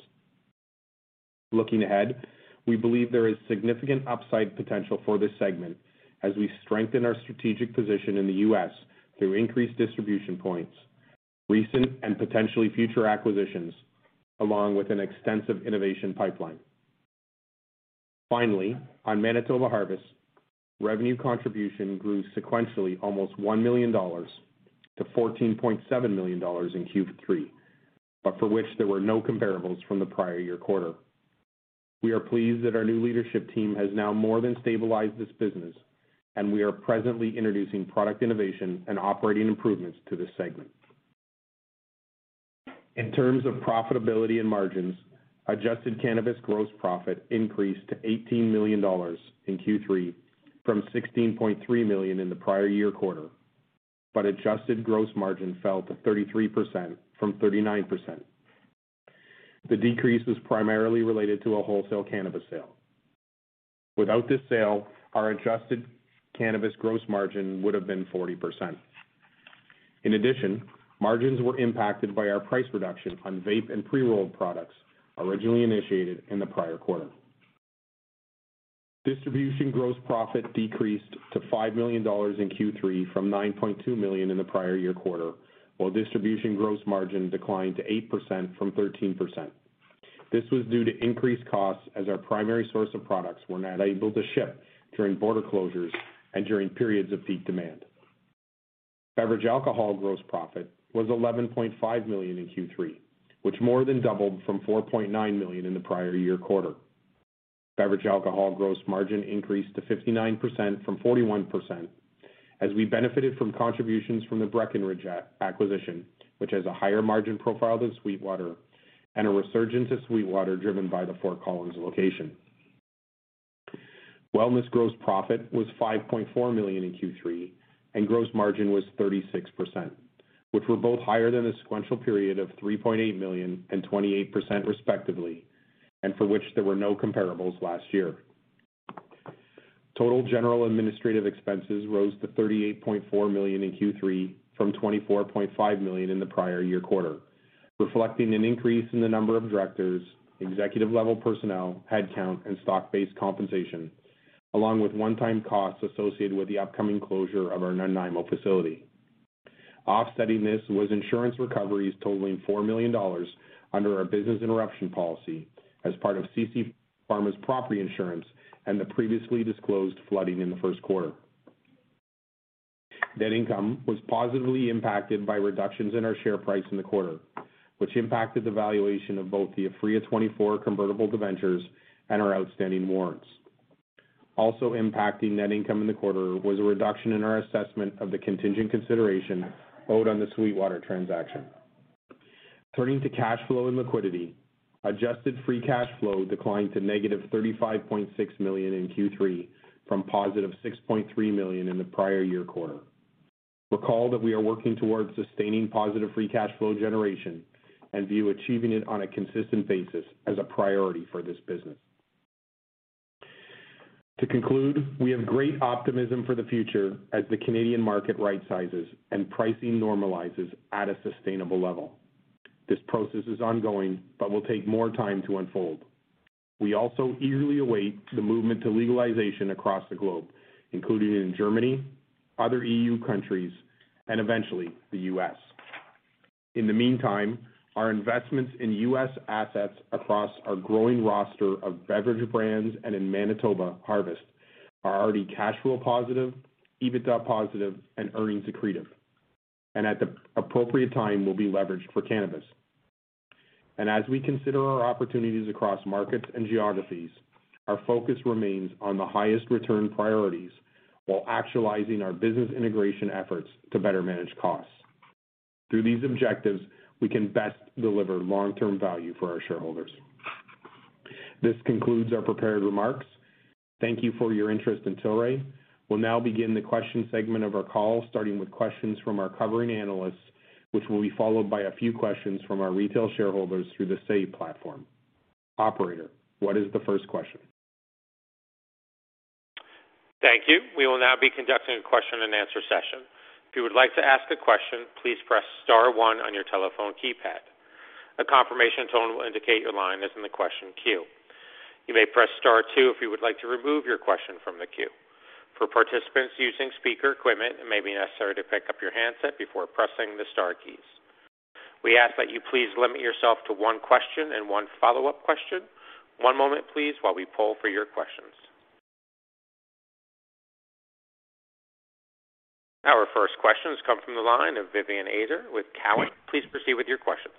Looking ahead, we believe there is significant upside potential for this segment as we strengthen our strategic position in the U.S. through increased distribution points, recent and potentially future acquisitions, along with an extensive innovation pipeline. Finally, on Manitoba Harvest, revenue contribution grew sequentially almost $1 million-$14.7 million in Q3, but for which there were no comparables from the prior year quarter. We are pleased that our new leadership team has now more than stabilized this business, and we are presently introducing product innovation and operating improvements to this segment. In terms of profitability and margins, adjusted cannabis gross profit increased to $18 million in Q3 from $16.3 million in the prior year quarter but adjusted gross margin fell to 33% from 39%. The decrease was primarily related to a wholesale cannabis sale. Without this sale, our adjusted cannabis gross margin would have been 40%. In addition, margins were impacted by our price reduction on vape and pre-rolled products originally initiated in the prior quarter. Distribution gross profit decreased to $5 million in Q3 from $9.2 million in the prior year quarter, while distribution gross margin declined to 8% from 13%. This was due to increased costs as our primary source of products were not able to ship during border closures and during periods of peak demand. Beverage alcohol gross profit was $11.5 million in Q3, which more than doubled from $4.9 million in the prior year quarter. Beverage alcohol gross margin increased to 59% from 41% as we benefited from contributions from the Breckenridge acquisition, which has a higher margin profile than SweetWater and a resurgence of SweetWater driven by the Fort Collins location. Wellness gross profit was $5.4 million in Q3, and gross margin was 36%, which were both higher than the sequential period of $3.8 million and 28% respectively, and for which there were no comparables last year. Total general and administrative expenses rose to $38.4 million in Q3 from $24.5 million in the prior year quarter, reflecting an increase in the number of directors, executive-level personnel, headcount, and stock-based compensation, along with one-time costs associated with the upcoming closure of our Nanaimo facility. Offsetting this was insurance recoveries totaling $4 million under our business interruption policy as part of CC Pharma's property insurance and the previously disclosed flooding in the first quarter. Net income was positively impacted by reductions in our share price in the quarter, which impacted the valuation of both the Aphria 2024 convertible senior notes and our outstanding warrants. Also impacting net income in the quarter was a reduction in our assessment of the contingent consideration owed on the SweetWater transaction. Turning to cash flow and liquidity. Adjusted free cash flow declined to -$35.6 million in Q3 from $6.3 million in the prior year quarter. Recall that we are working towards sustaining positive free cash flow generation and view achieving it on a consistent basis as a priority for this business. To conclude, we have great optimism for the future as the Canadian market right-sizes and pricing normalizes at a sustainable level. This process is ongoing but will take more time to unfold. We also eagerly await the movement to legalization across the globe, including in Germany, other EU countries, and eventually the U.S. In the meantime, our investments in U.S. assets across our growing roster of beverage brands and in Manitoba Harvest are already cash flow positive, EBITDA positive, and earnings accretive, and at the appropriate time will be leveraged for cannabis. As we consider our opportunities across markets and geographies, our focus remains on the highest return priorities while actualizing our business integration efforts to better manage costs. Through these objectives, we can best deliver long-term value for our shareholders. This concludes our prepared remarks. Thank you for your interest in Tilray. We'll now begin the question segment of our call, starting with questions from our covering analysts, which will be followed by a few questions from our retail shareholders through the Say platform. Operator, what is the first question? Thank you. We will now be conducting a question-and-answer session. If you would like to ask a question, please press star one on your telephone keypad. A confirmation tone will indicate your line is in the question queue. You may press star two if you would like to remove your question from the queue. For participants using speaker equipment, it may be necessary to pick up your handset before pressing the star keys. We ask that you please limit yourself to one question and one follow-up question. One moment, please, while we poll for your questions. Our first question has come from the line of Vivien Azer with Cowen. Please proceed with your questions.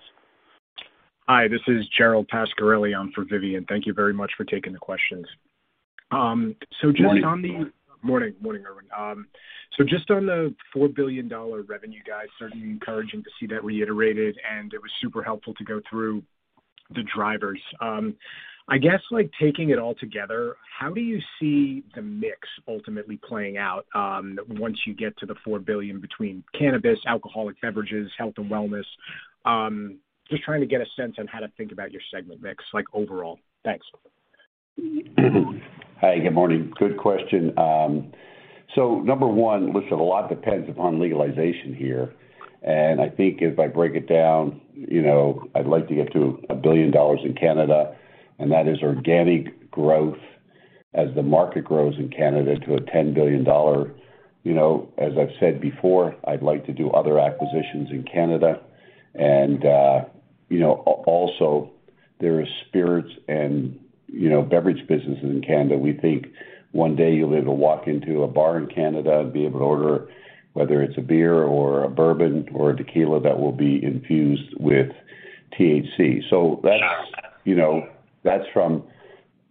Hi, this is Gerald Pascarelli. I'm for Vivien. Thank you very much for taking the questions. Just on the. Morning. Morning. Morning, Irwin. Just on the $4 billion revenue guide, certainly encouraging to see that reiterated, and it was super helpful to go through the drivers. I guess, like, taking it all together, how do you see the mix ultimately playing out, once you get to the $4 billion between cannabis, alcoholic beverages, health and wellness? Just trying to get a sense on how to think about your segment mix, like, overall. Thanks. Hi. Good morning. Good question. Number one, listen, a lot depends upon legalization here. I think if I break it down, you know, I'd like to get to $1 billion in Canada, and that is organic growth as the market grows in Canada to a $10 billion. You know, as I've said before, I'd like to do other acquisitions in Canada. You know, also there is spirits and, you know, beverage businesses in Canada. We think one day you'll be able to walk into a bar in Canada and be able to order, whether it's a beer or a bourbon or a tequila that will be infused with THC. That's, you know, that's from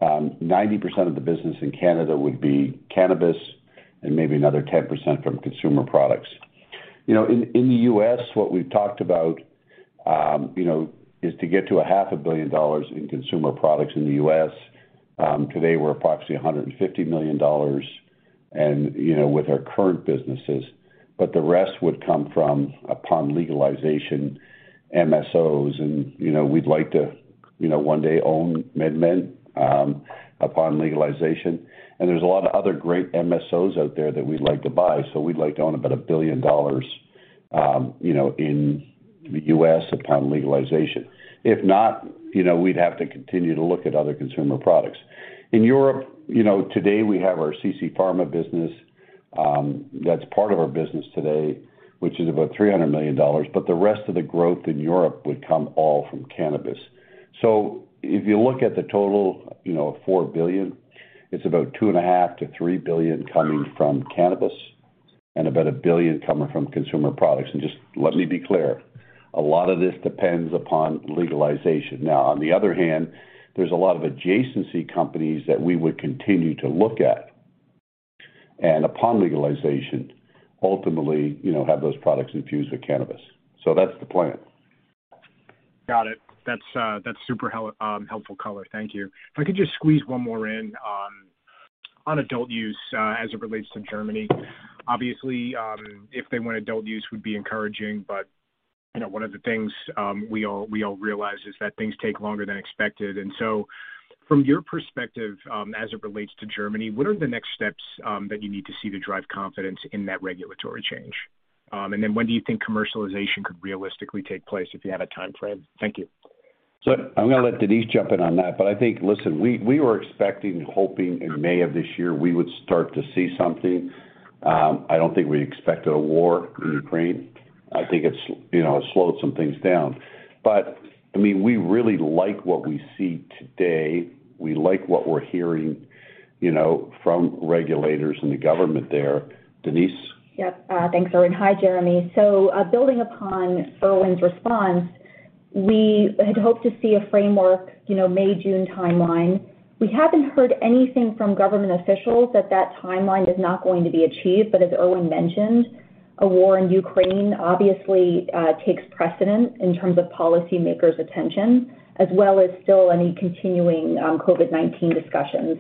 90% of the business in Canada would be cannabis and maybe another 10% from consumer products. You know, in the U.S., what we've talked about, you know, is to get to a half a billion dollars in consumer products in the U.S. Today we're approximately $150 million and, you know, with our current businesses. But the rest would come from, upon legalization, MSOs, and, you know, we'd like to, you know, one day own MedMen, upon legalization. There's a lot of other great MSOs out there that we'd like to buy. We'd like to own about $1 billion, you know, in the U.S. upon legalization. If not, you know, we'd have to continue to look at other consumer products. In Europe, you know, today we have our CC Pharma business, that's part of our business today, which is about $300 million. The rest of the growth in Europe would come all from cannabis. If you look at the total, you know, $4 billion, it's about $2.5 billion-$3 billion coming from cannabis and about $1 billion coming from consumer products. Just let me be clear, a lot of this depends upon legalization. Now, on the other hand, there's a lot of adjacent companies that we would continue to look at, and upon legalization, ultimately, you know, have those products infused with cannabis. That's the plan. Got it. That's super helpful color. Thank you. If I could just squeeze one more in on adult use as it relates to Germany. Obviously, if they want adult use would be encouraging, but you know, one of the things we all realize is that things take longer than expected. From your perspective, as it relates to Germany, what are the next steps that you need to see to drive confidence in that regulatory change? When do you think commercialization could realistically take place, if you had a timeframe? Thank you. I'm gonna let Denise jump in on that, but I think listen, we were expecting and hoping in May of this year we would start to see something. I don't think we expected a war in Ukraine. I think it's, you know, slowed some things down. But, I mean, we really like what we see today. We like what we're hearing, you know, from regulators and the government there. Denise. Yep. Thanks, Irwin. Hi, Gerald Pascarelli. Building upon Irwin's response, we had hoped to see a framework, you know, May, June timeline. We haven't heard anything from government officials that the timeline is not going to be achieved. As Irwin mentioned, a war in Ukraine obviously takes precedence in terms of policymakers' attention, as well as still any continuing COVID-19 discussions.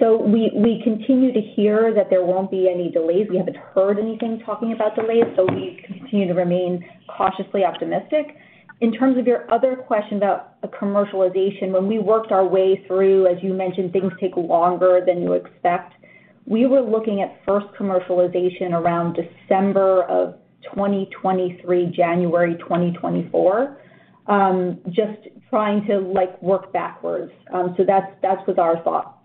We continue to hear that there won't be any delays. We haven't heard anything talking about delays, so we continue to remain cautiously optimistic. In terms of your other question about a commercialization, when we worked our way through, as you mentioned, things take longer than you expect. We were looking at first commercialization around December of 2023, January 2024. Just trying to, like, work backwards. That was our thought.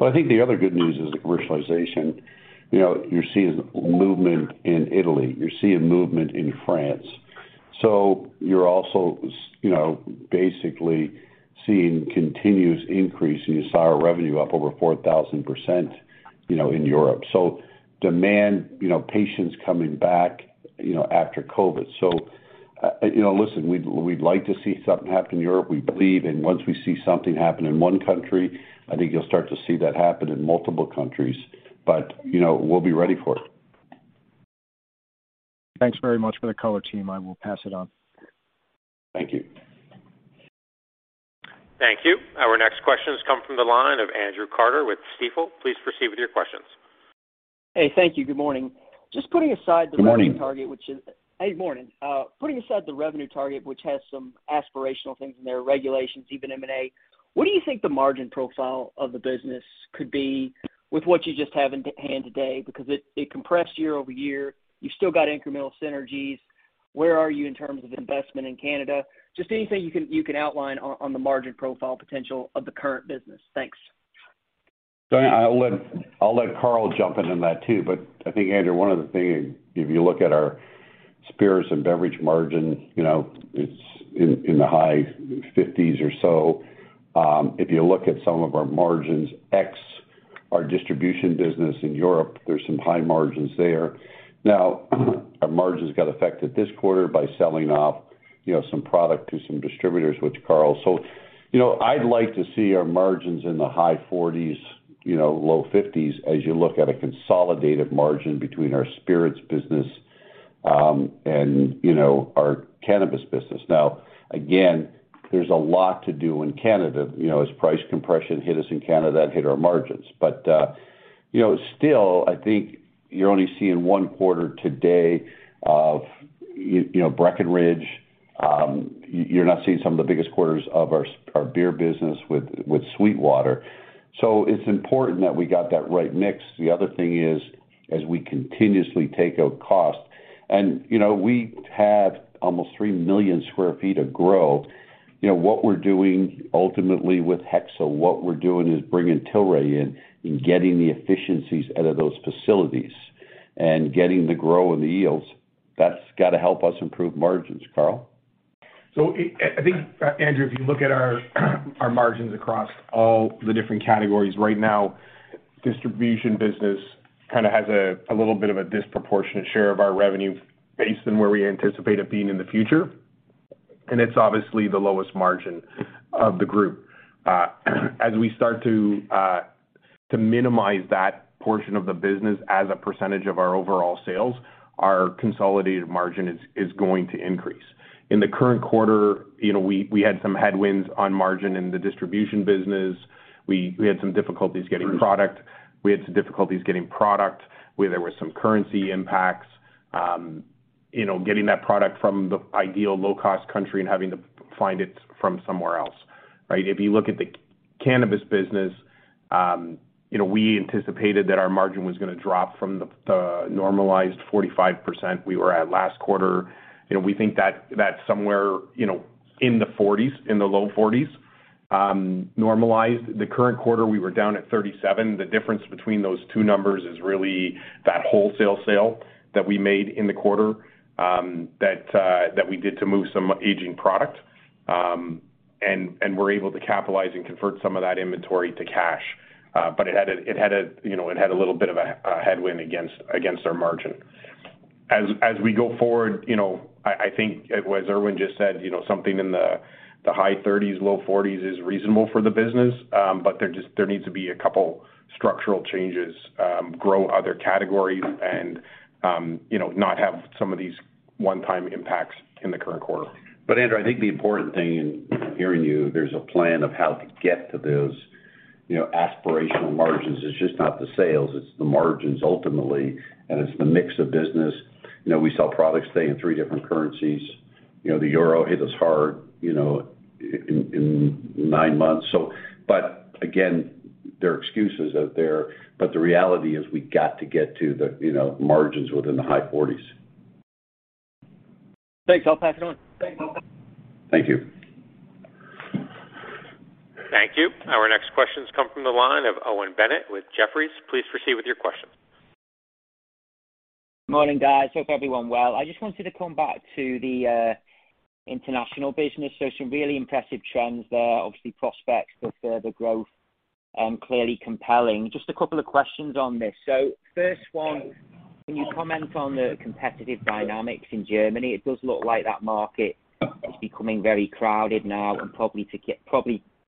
I think the other good news is the commercialization. You know, you're seeing movement in Italy. You're seeing movement in France. You're also you know, basically seeing continuous increase, and you saw our revenue up over 4,000%, you know, in Europe, demand, you know, patients coming back, you know, after COVID. You know, listen, we'd like to see something happen in Europe. We believe once we see something happen in one country, I think you'll start to see that happen in multiple countries. You know, we'll be ready for it. Thanks very much for the color, team. I will pass it on. Thank you. Thank you. Our next question has come from the line of Andrew Carter with Stifel. Please proceed with your questions. Hey, thank you. Good morning. Good morning. Hey, morning. Putting aside the revenue target, which has some aspirational things in there, regulations, even M&A, what do you think the margin profile of the business could be with what you just have in hand today? Because it compressed year-over-year. You still got incremental synergies. Where are you in terms of investment in Canada? Just anything you can outline on the margin profile potential of the current business. Thanks. I'll let Carl jump in on that too, but I think, Andrew, one of the things, if you look at our spirits and beverage margin, it's in the high 50s% or so. If you look at some of our margins ex our distribution business in Europe, there's some high margins there. Our margins got affected this quarter by selling off some product to some distributors. I'd like to see our margins in the high 40s%, low 50s% as you look at a consolidated margin between our spirits business and our cannabis business. Again, there's a lot to do in Canada as price compression hit us in Canada and hit our margins. You know, still, I think you're only seeing one quarter today of Breckenridge. You know, you're not seeing some of the biggest quarters of our beer business with SweetWater. It's important that we got that right mix. The other thing is, as we continuously take out cost, and you know, we have almost 3 million sq ft of grow. You know, what we're doing ultimately with Hexo, what we're doing is bringing Tilray in and getting the efficiencies out of those facilities and getting the grow and the yields. That's gotta help us improve margins. Carl? I think, Andrew, if you look at our margins across all the different categories right now, distribution business kind of has a little bit of a disproportionate share of our revenue based on where we anticipate it being in the future. It's obviously the lowest margin of the group. As we start to minimize that portion of the business as a percentage of our overall sales, our consolidated margin is going to increase. In the current quarter, we had some headwinds on margin in the distribution business. We had some difficulties getting product, where there were some currency impacts, getting that product from the ideal low-cost country and having to find it from somewhere else, right? If you look at the cannabis business, you know, we anticipated that our margin was gonna drop from the normalized 45% we were at last quarter. You know, we think that that's somewhere, you know, in the 40s, in the low 40s, normalized. The current quarter, we were down at 37. The difference between those two numbers is really that wholesale sale that we made in the quarter, that we did to move some aging product, and we're able to capitalize and convert some of that inventory to cash. But it had a little bit of a headwind against our margin. As we go forward, you know, I think as Irwin just said, you know, something in the high 30s, low 40s is reasonable for the business, but there needs to be a couple structural changes, grow other categories and, you know, not have some of these one-time impacts in the current quarter. Andrew, I think the important thing in hearing you, there's a plan of how to get to those, you know, aspirational margins. It's just not the sales, it's the margins ultimately, and it's the mix of business. You know, we sell products today in three different currencies. You know, the euro hit us hard, you know, in nine months, but again, there are excuses out there, but the reality is we got to get to the, you know, margins within the high 40s%. Thanks. I'll pass it on. Thank you. Thank you. Our next question's come from the line of Owen Bennett with Jefferies. Please proceed with your question. Morning, guys. Hope everyone well. I just wanted to come back to the international business. Some really impressive trends there. Obviously, prospects for further growth clearly compelling. Just a couple of questions on this. First one, can you comment on the competitive dynamics in Germany? It does look like that market is becoming very crowded now and probably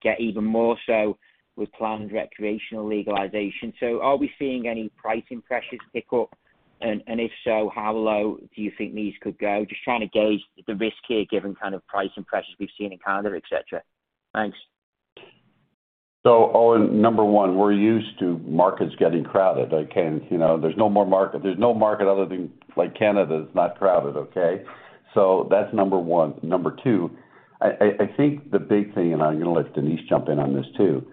get even more so with planned recreational legalization. Are we seeing any pricing pressures pick up? If so, how low do you think these could go? Just trying to gauge the risk here, given kind of pricing pressures we've seen in Canada, et cetera. Thanks. Owen, number one, we're used to markets getting crowded, okay? You know, there's no more market, there's no market other than like Canada that's not crowded, okay? That's number one. Number two, I think the big thing, and I'm gonna let Denise jump in on this too,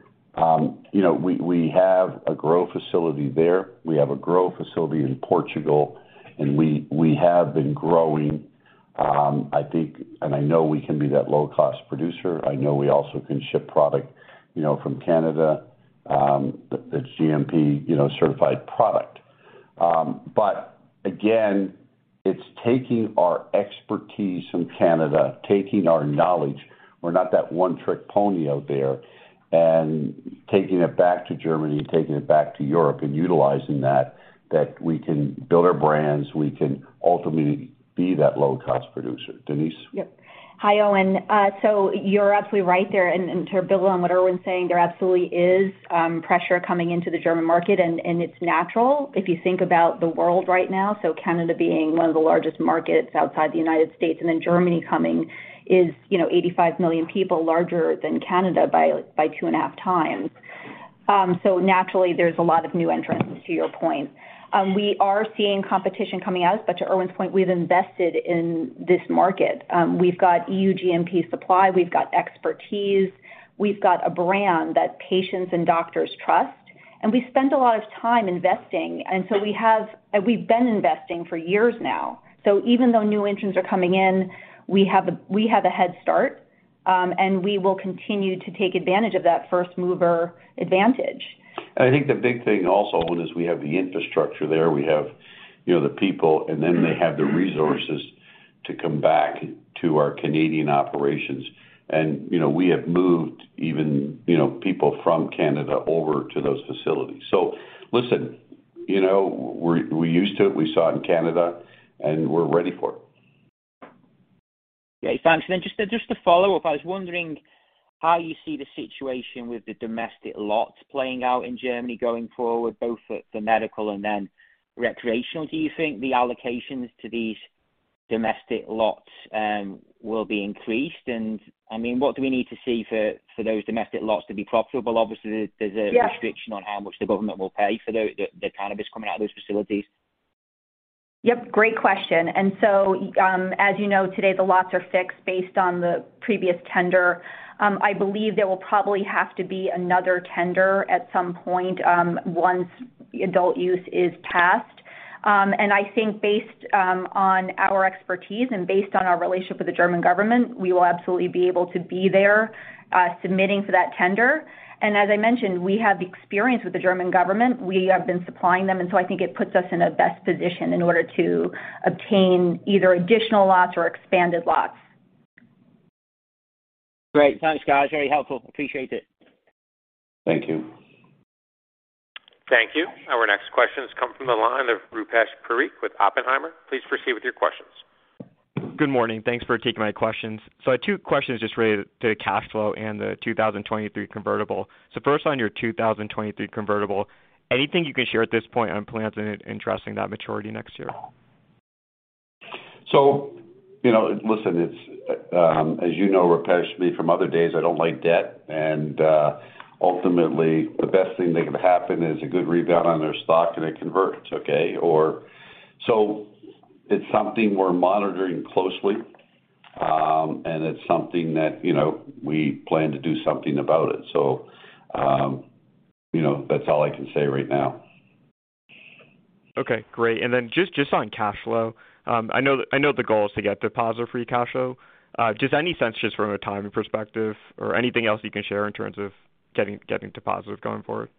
you know, we have a grow facility there. We have a grow facility in Portugal, and we have been growing, I think, and I know we can be that low cost producer. I know we also can ship product, you know, from Canada, that's GMP, you know, certified product. But again, it's taking our expertise from Canada, taking our knowledge. We're not that one-trick pony out there. Taking it back to Germany and taking it back to Europe and utilizing that, we can build our brands, we can ultimately be that low-cost producer. Denise? Yep. Hi, Owen. You're absolutely right there. To build on what Irwin's saying, there absolutely is pressure coming into the German market, and it's natural if you think about the world right now. Canada being one of the largest markets outside the U.S. and then Germany coming is, you know, 85 million people larger than Canada by 2.5x. Naturally there's a lot of new entrants, to your point. We are seeing competition coming out, but to Irwin's point, we've invested in this market. We've got EU GMP supply, we've got expertise, we've got a brand that patients and doctors trust, and we spent a lot of time investing. We've been investing for years now. Even though new entrants are coming in, we have a head start, and we will continue to take advantage of that first mover advantage. I think the big thing also is we have the infrastructure there. We have, you know, the people, and then they have the resources to come back to our Canadian operations. You know, we have moved even, you know, people from Canada over to those facilities. Listen, you know, we're used to it, we saw it in Canada, and we're ready for it. Okay. Thanks. Just a follow-up. I was wondering how you see the situation with the domestic lots playing out in Germany going forward, both for medical and then recreational. Do you think the allocations to these domestic lots will be increased? I mean, what do we need to see for those domestic lots to be profitable? Obviously, there's a Yeah... restriction on how much the government will pay for the cannabis coming out of those facilities. Yep, great question. As you know, today, the lots are fixed based on the previous tender. I believe there will probably have to be another tender at some point, once adult use is passed. I think based on our expertise and based on our relationship with the German government, we will absolutely be able to be there, submitting for that tender. As I mentioned, we have experience with the German government. We have been supplying them, and so I think it puts us in a best position in order to obtain either additional lots or expanded lots. Great. Thanks, guys. Very helpful. Appreciate it. Thank you. Thank you. Our next question has come from the line of Rupesh Parikh with Oppenheimer. Please proceed with your questions. Good morning. Thanks for taking my questions. I have two questions just related to the cash flow and the 2023 convertible. First on your 2023 convertible, anything you can share at this point on plans in addressing that maturity next year? You know, listen, it's as you know, Rupesh, me from other days, I don't like debt. Ultimately, the best thing that could happen is a good rebound on their stock and it converts, okay? Or. It's something we're monitoring closely, and it's something that, you know, we plan to do something about it. You know, that's all I can say right now. Okay, great. Just on cash flow, I know the goal is to get deposit-free cash flow. Just any sense just from a timing perspective or anything else you can share in terms of getting deposits going forward.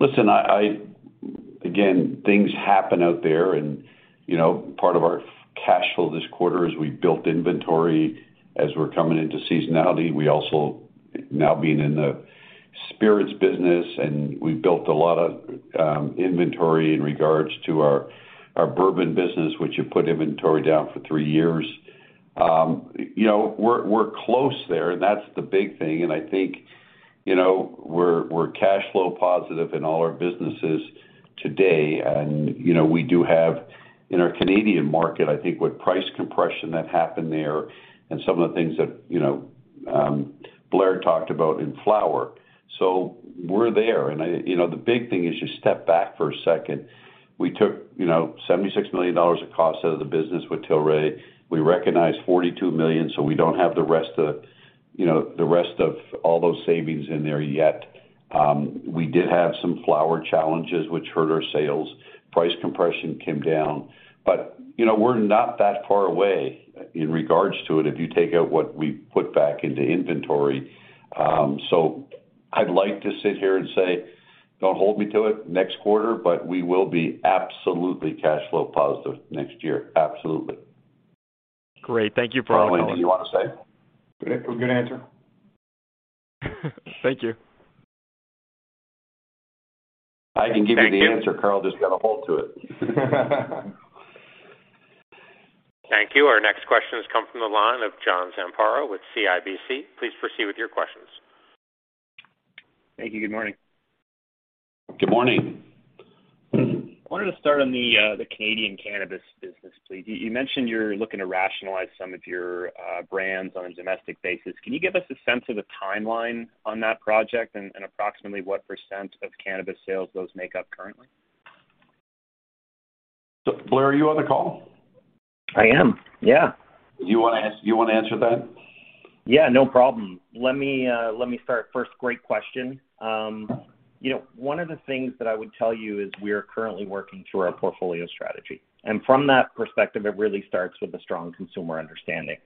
Listen. Again, things happen out there and, you know, part of our cash flow this quarter is we built inventory as we're coming into seasonality. We also now being in the spirits business, and we built a lot of inventory in regard to our bourbon business, which have put inventory down for three years. You know, we're close there, and that's the big thing. I think, you know, we're cash flow positive in all our businesses today. You know, we do have in our Canadian market, I think with price compression that happened there and some of the things that, you know, Blair talked about in flower. We're there. You know, the big thing is you step back for a second. We took, you know, $76 million of cost out of the business with Tilray. We recognized $42 million, so we don't have the rest of all those savings in there yet. You know, we did have some flower challenges which hurt our sales. Price compression came down. You know, we're not that far away in regard to it if you take out what we put back into inventory. I'd like to sit here and say, don't hold me to it next quarter, but we will be absolutely cash flow positive next year. Absolutely. Great. Thank you for all the Carl, anything you want to say? It was a good answer. Thank you. I can give you the answer. Carl just gotta hold to it. Thank you. Our next question has come from the line of John Zamparo with CIBC. Please proceed with your questions. Thank you. Good morning. Good morning. I wanted to start on the Canadian cannabis business, please. You mentioned you're looking to rationalize some of your brands on a domestic basis. Can you give us a sense of the timeline on that project and approximately what % of cannabis sales those make up currently? Blair, are you on the call? I am, yeah. You wanna answer that? Yeah, no problem. Let me start first. Great question. You know, one of the things that I would tell you is we are currently working through our portfolio strategy. From that perspective, it really starts with a strong consumer understanding.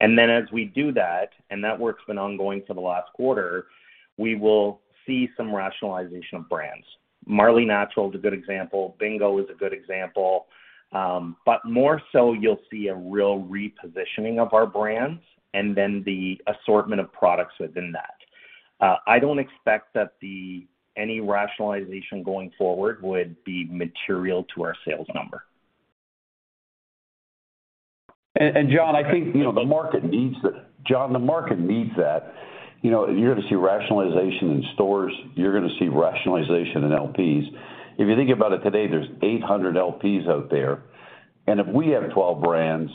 Then as we do that, and that work's been ongoing for the last quarter, we will see some rationalization of brands. Marley Natural is a good example; Bingo is a good example. But more so you'll see a real repositioning of our brands and then the assortment of products within that. I don't expect that any rationalization going forward would be material to our sales number. John, I think, you know, the market needs that. You know, you're gonna see rationalization in stores, you're gonna see rationalization in LPs. If you think about it today, there's 800 LPs out there, and if we have 12 brands,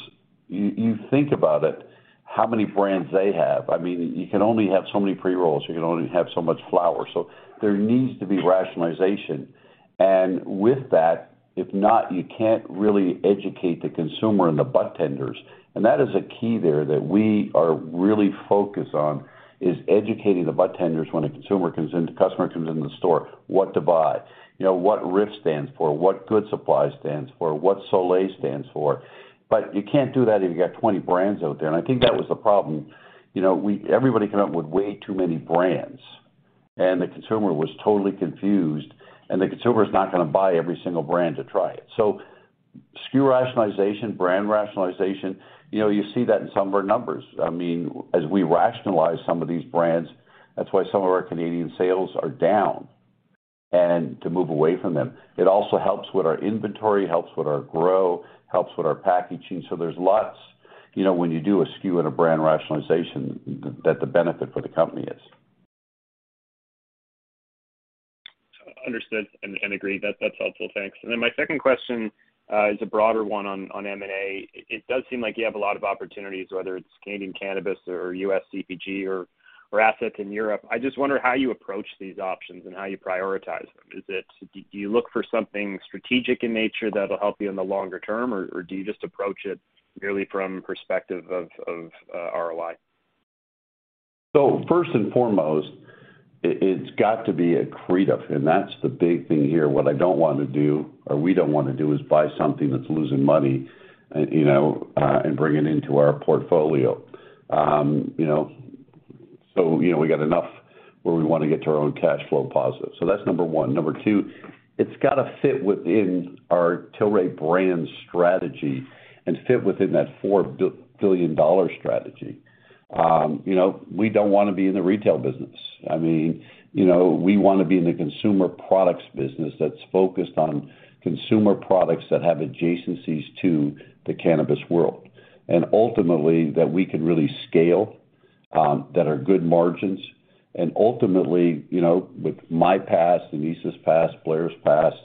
you think about it, how many brands they have. I mean, you can only have so many pre-rolls. You can only have so much flower. There needs to be rationalization. With that, if not, you can't really educate the consumer and the budtenders. That is a key there that we are really focused on, is educating the budtenders when a customer comes into the store what to buy. You know, what RIFF stands for, what Good Supply stands for, what Solei stands for. You can't do that if you got 20 brands out there. I think that was the problem. You know, we, everybody came up with way too many brands, and the consumer was totally confused, and the consumer is not gonna buy every single brand to try it. SKU rationalization, brand rationalization, you know, you see that in some of our numbers. I mean, as we rationalize some of these brands, that's why some of our Canadian sales are down, and to move away from them. It also helps with our inventory, helps with our grow, helps with our packaging. There's lots, you know, when you do a SKU and a brand rationalization that the benefit for the company is. Understood, agreed. That's helpful. Thanks. My second question is a broader one on M&A. It does seem like you have a lot of opportunities, whether it's Canadian cannabis or U.S. CPG or assets in Europe. I just wonder how you approach these options and how you prioritize them. Do you look for something strategic in nature that'll help you in the longer term? Or do you just approach it really from perspective of ROI? First and foremost, it's got to be accretive, and that's the big thing here. What I don't wanna do, or we don't wanna do, is buy something that's losing money, you know, and bring it into our portfolio. You know, we got enough where we wanna get to our own cash flow positive. That's number one. Number two, it's got to fit within our Tilray brand strategy and fit within that $4 billion strategy. You know, we don't wanna be in the retail business. I mean, you know, we wanna be in the consumer products business that's focused on consumer products that have adjacencies to the cannabis world, and ultimately, that we can really scale, that are good margins. Ultimately, you know, with my past and Isa's past, Blair's past,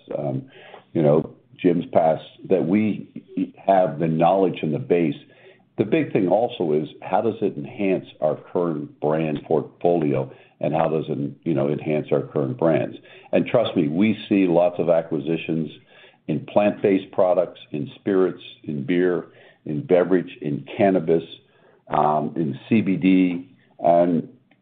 you know, Jim's past, that we have the knowledge and the base. The big thing also is how does it enhance our current brand portfolio and how does it, you know, enhance our current brands? Trust me, we see lots of acquisitions in plant-based products, in spirits, in beer, in beverage, in cannabis, in CBD.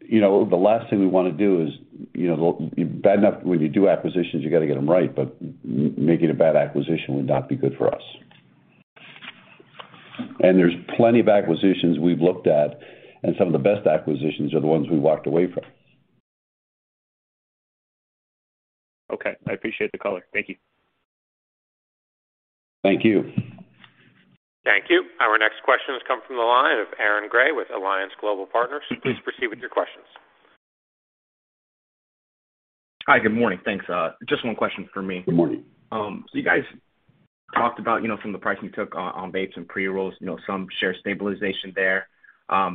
You know, the last thing we wanna do is, you know, bad enough when you do acquisitions, you got to get them right, but making a bad acquisition would not be good for us. There's plenty of acquisitions we've looked at, and some of the best acquisitions are the ones we walked away from. Okay. I appreciate the color. Thank you. Thank you. Thank you. Our next question has come from the line of Aaron Grey with Alliance Global Partners. Please proceed with your questions. Hi, good morning. Thanks. Just one question for me. Good morning. You guys talked about, you know, from the pricing you took on vapes and pre-rolls, you know, some share stabilization there.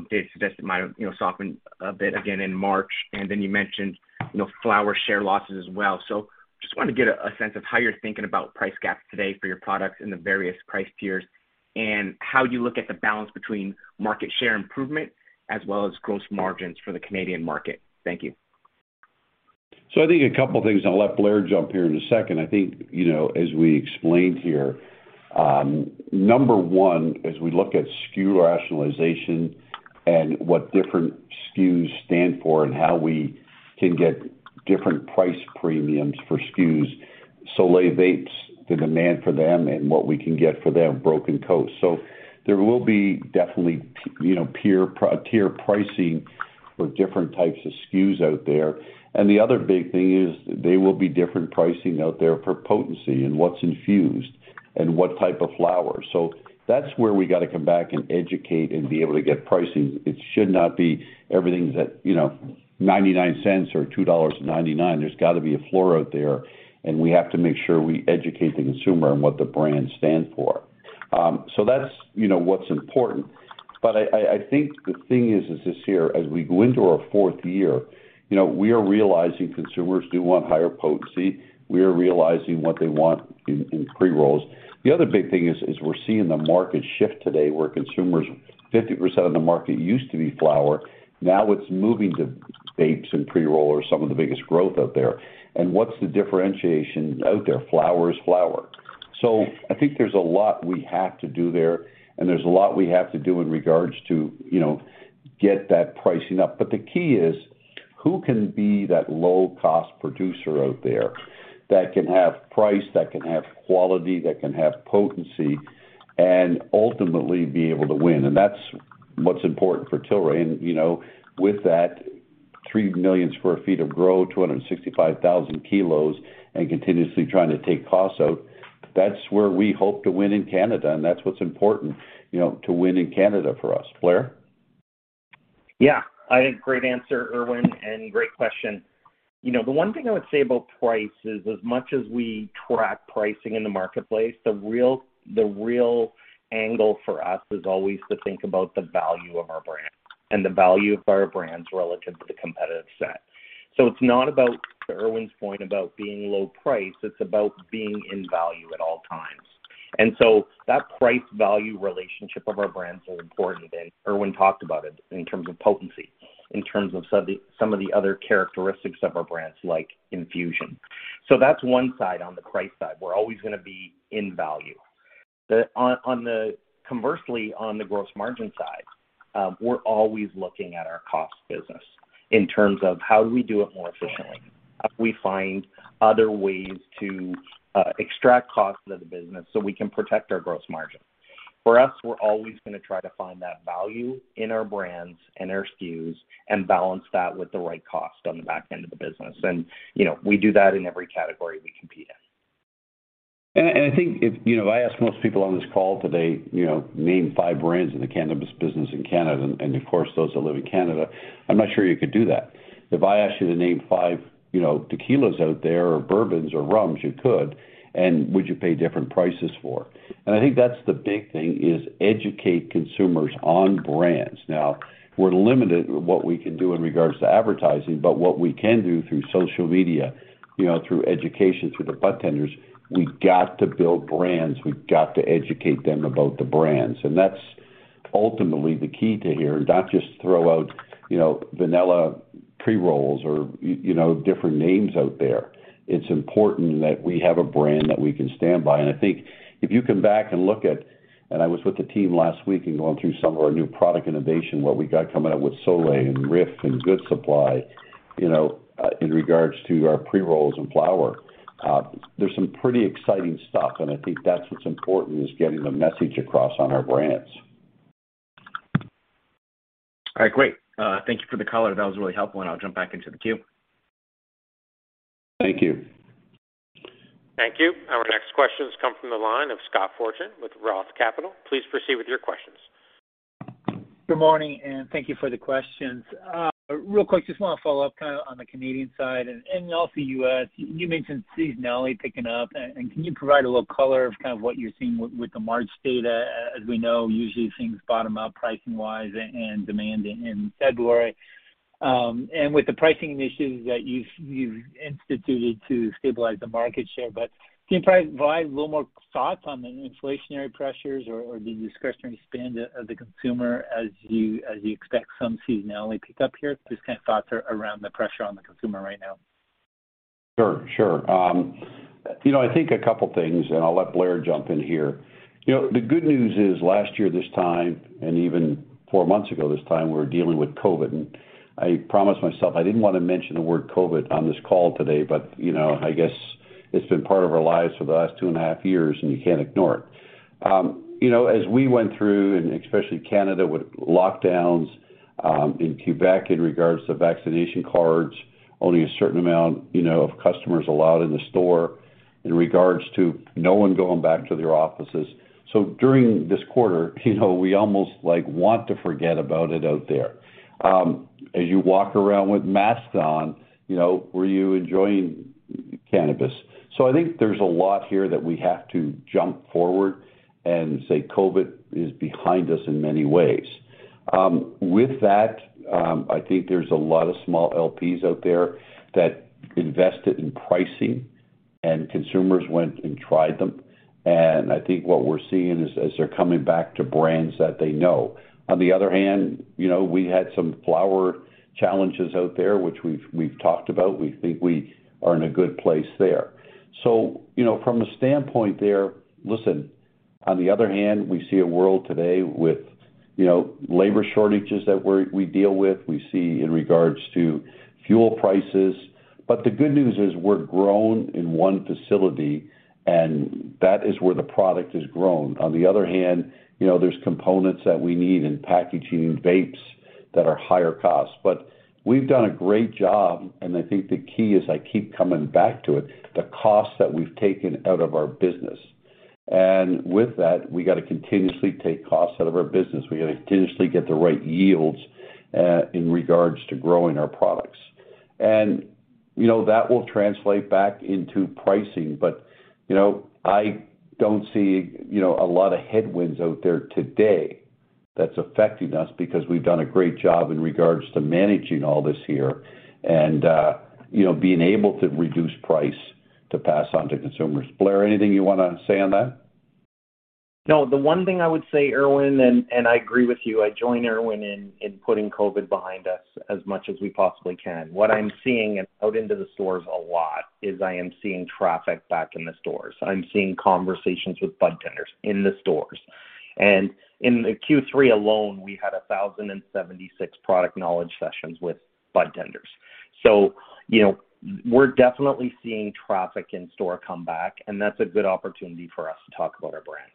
Dave suggested it might, you know, soften a bit again in March, and then you mentioned, you know, flower share losses as well. Just want to get a sense of how you're thinking about price gaps today for your products in the various price tiers and how you look at the balance between market share improvement as well as gross margins for the Canadian market. Thank you. I think a couple of things, and I'll let Blair jump here in a second. I think, you know, as we explained here, number one, as we look at SKU rationalization and what different SKUs stand for and how we can get different price premiums for SKUs, Solei vapes, the demand for them and what we can get for them, Broken Coast. There will be definitely you know, tier pricing for different types of SKUs out there. The other big thing is there will be different pricing out there for potency and what's infused and what type of flower. That's where we got to come back and educate and be able to get pricing. It should not be everything's at, you know, 0.99 or 2.99 dollars. There's got to be a floor out there, and we have to make sure we educate the consumer on what the brands stand for. So that's, you know, what's important. But I think the thing is this here, as we go into our fourth year, you know, we are realizing consumers do want higher potency. We are realizing what they want in pre-rolls. The other big thing is we're seeing the market shift today where consumers 50% of the market used to be flower. Now it's moving to vapes and pre-rolls are some of the biggest growth out there. What's the differentiation out there? Flower is flower. So I think there's a lot we have to do there, and there's a lot we have to do in regards to, you know, get that pricing up. The key is who can be that low-cost producer out there that can have price, that can have quality, that can have potency and ultimately be able to win. That's what's important for Tilray. You know, with that 3 million sq ft of grow, 265,000 k, and continuously trying to take costs out. That's where we hope to win in Canada, and that's what's important, you know, to win in Canada for us. Blair? Yeah. I think great answer, Irwin, and great question. You know, the one thing I would say about price is as much as we track pricing in the marketplace, the real angle for us is always to think about the value of our brand and the value of our brands relative to the competitive set. It's not about, to Irwin's point, about being low price, it's about being in value at all times. That price-value relationship of our brands is important, and Irwin talked about it in terms of potency, in terms of some of the other characteristics of our brands like infusion. That's one side on the price side. We're always gonna be in value. Conversely, on the gross margin side, we're always looking at our cost business in terms of how do we do it more efficiently? How can we find other ways to extract costs out of the business so we can protect our gross margin? For us, we're always gonna try to find that value in our brands and our SKUs and balance that with the right cost on the back end of the business. You know, we do that in every category we compete in. I think if you know, if I ask most people on this call today, you know, name five brands in the cannabis business in Canada, and of course, those that live in Canada, I'm not sure you could do that. If I ask you to name five, you know, tequilas out there or bourbons or rums, you could, and would you pay different prices for? I think that's the big thing is educate consumers on brands. Now, we're limited what we can do in regard to advertising, but what we can do through social media, you know, through education, through the budtenders, we've got to build brands, we've got to educate them about the brands. That's ultimately the key to here, and not just throw out, you know, vanilla pre-rolls or you know, different names out there. It's important that we have a brand that we can stand by. I think if you come back and look at, I was with the team last week and going through some of our new product innovation, what we got coming out with Solei and RIFF and Good Supply, you know, in regards to our pre-rolls and flower, there's some pretty exciting stuff, and I think that's what's important, is getting the message across on our brands. All right, great. Thank you for the color. That was really helpful, and I'll jump back into the queue. Thank you. Thank you. Our next question has come from the line of Scott Fortune with Roth Capital. Please proceed with your questions. Good morning, and thank you for the questions. Real quick, just wanna follow up kind of on the Canadian side and also U.S. You mentioned seasonality picking up. Can you provide a little color of kind of what you're seeing with the March data? As we know, usually things bottom out pricing-wise and demand in February. With the pricing initiatives that you've instituted to stabilize the market share, but can you provide a little more thoughts on the inflationary pressures or the discretionary spend of the consumer as you expect some seasonality pick up here? Just kind of thoughts around the pressure on the consumer right now. Sure, sure. You know, I think a couple things, and I'll let Blair jump in here. You know, the good news is last year this time, and even four months ago this time, we were dealing with COVID, and I promised myself I didn't wanna mention the word COVID on this call today, but, you know, I guess it's been part of our lives for the last 2.5 years, and you can't ignore it. You know, as we went through, and especially in Canada with lockdowns, in Quebec in regards to vaccination cards, only a certain amount, you know, of customers allowed in the store in regards to no one going back to their offices. So, during this quarter, you know, we almost, like, want to forget about it out there. As you walk around with masks on, you know, were you enjoying cannabis? I think there's a lot here that we have to jump forward and say COVID is behind us in many ways. With that, I think there's a lot of small LPs out there that invested in pricing, and consumers went and tried them. I think what we're seeing is as they're coming back to brands that they know. On the other hand, you know, we had some flower challenges out there, which we've talked about. We think we are in a good place there. You know, from a standpoint there. Listen, on the other hand, we see a world today with, you know, labor shortages that we deal with, we see in regards to fuel prices. But the good news is we're grown in one facility, and that is where the product is grown. On the other hand, you know, there's components that we need in packaging vapes that are higher cost. We've done a great job, and I think the key is, I keep coming back to it, the cost that we've taken out of our business. With that, we gotta continuously take costs out of our business. We gotta continuously get the right yields, in regards to growing our products. You know, that will translate back into pricing. You know, I don't see, you know, a lot of headwinds out there today that's affecting us because we've done a great job in regards to managing all this here and, you know, being able to reduce price to pass on to consumers. Blair, anything you wanna say on that? No. The one thing I would say, Irwin, and I agree with you, I join Irwin in putting COVID behind us as much as we possibly can. What I'm seeing out into the stores a lot is I am seeing traffic back in the stores. I'm seeing conversations with budtenders in the stores. In the Q3 alone, we had 1,076 product knowledge sessions with budtenders. You know, we're definitely seeing traffic in store come back, and that's a good opportunity for us to talk about our brands.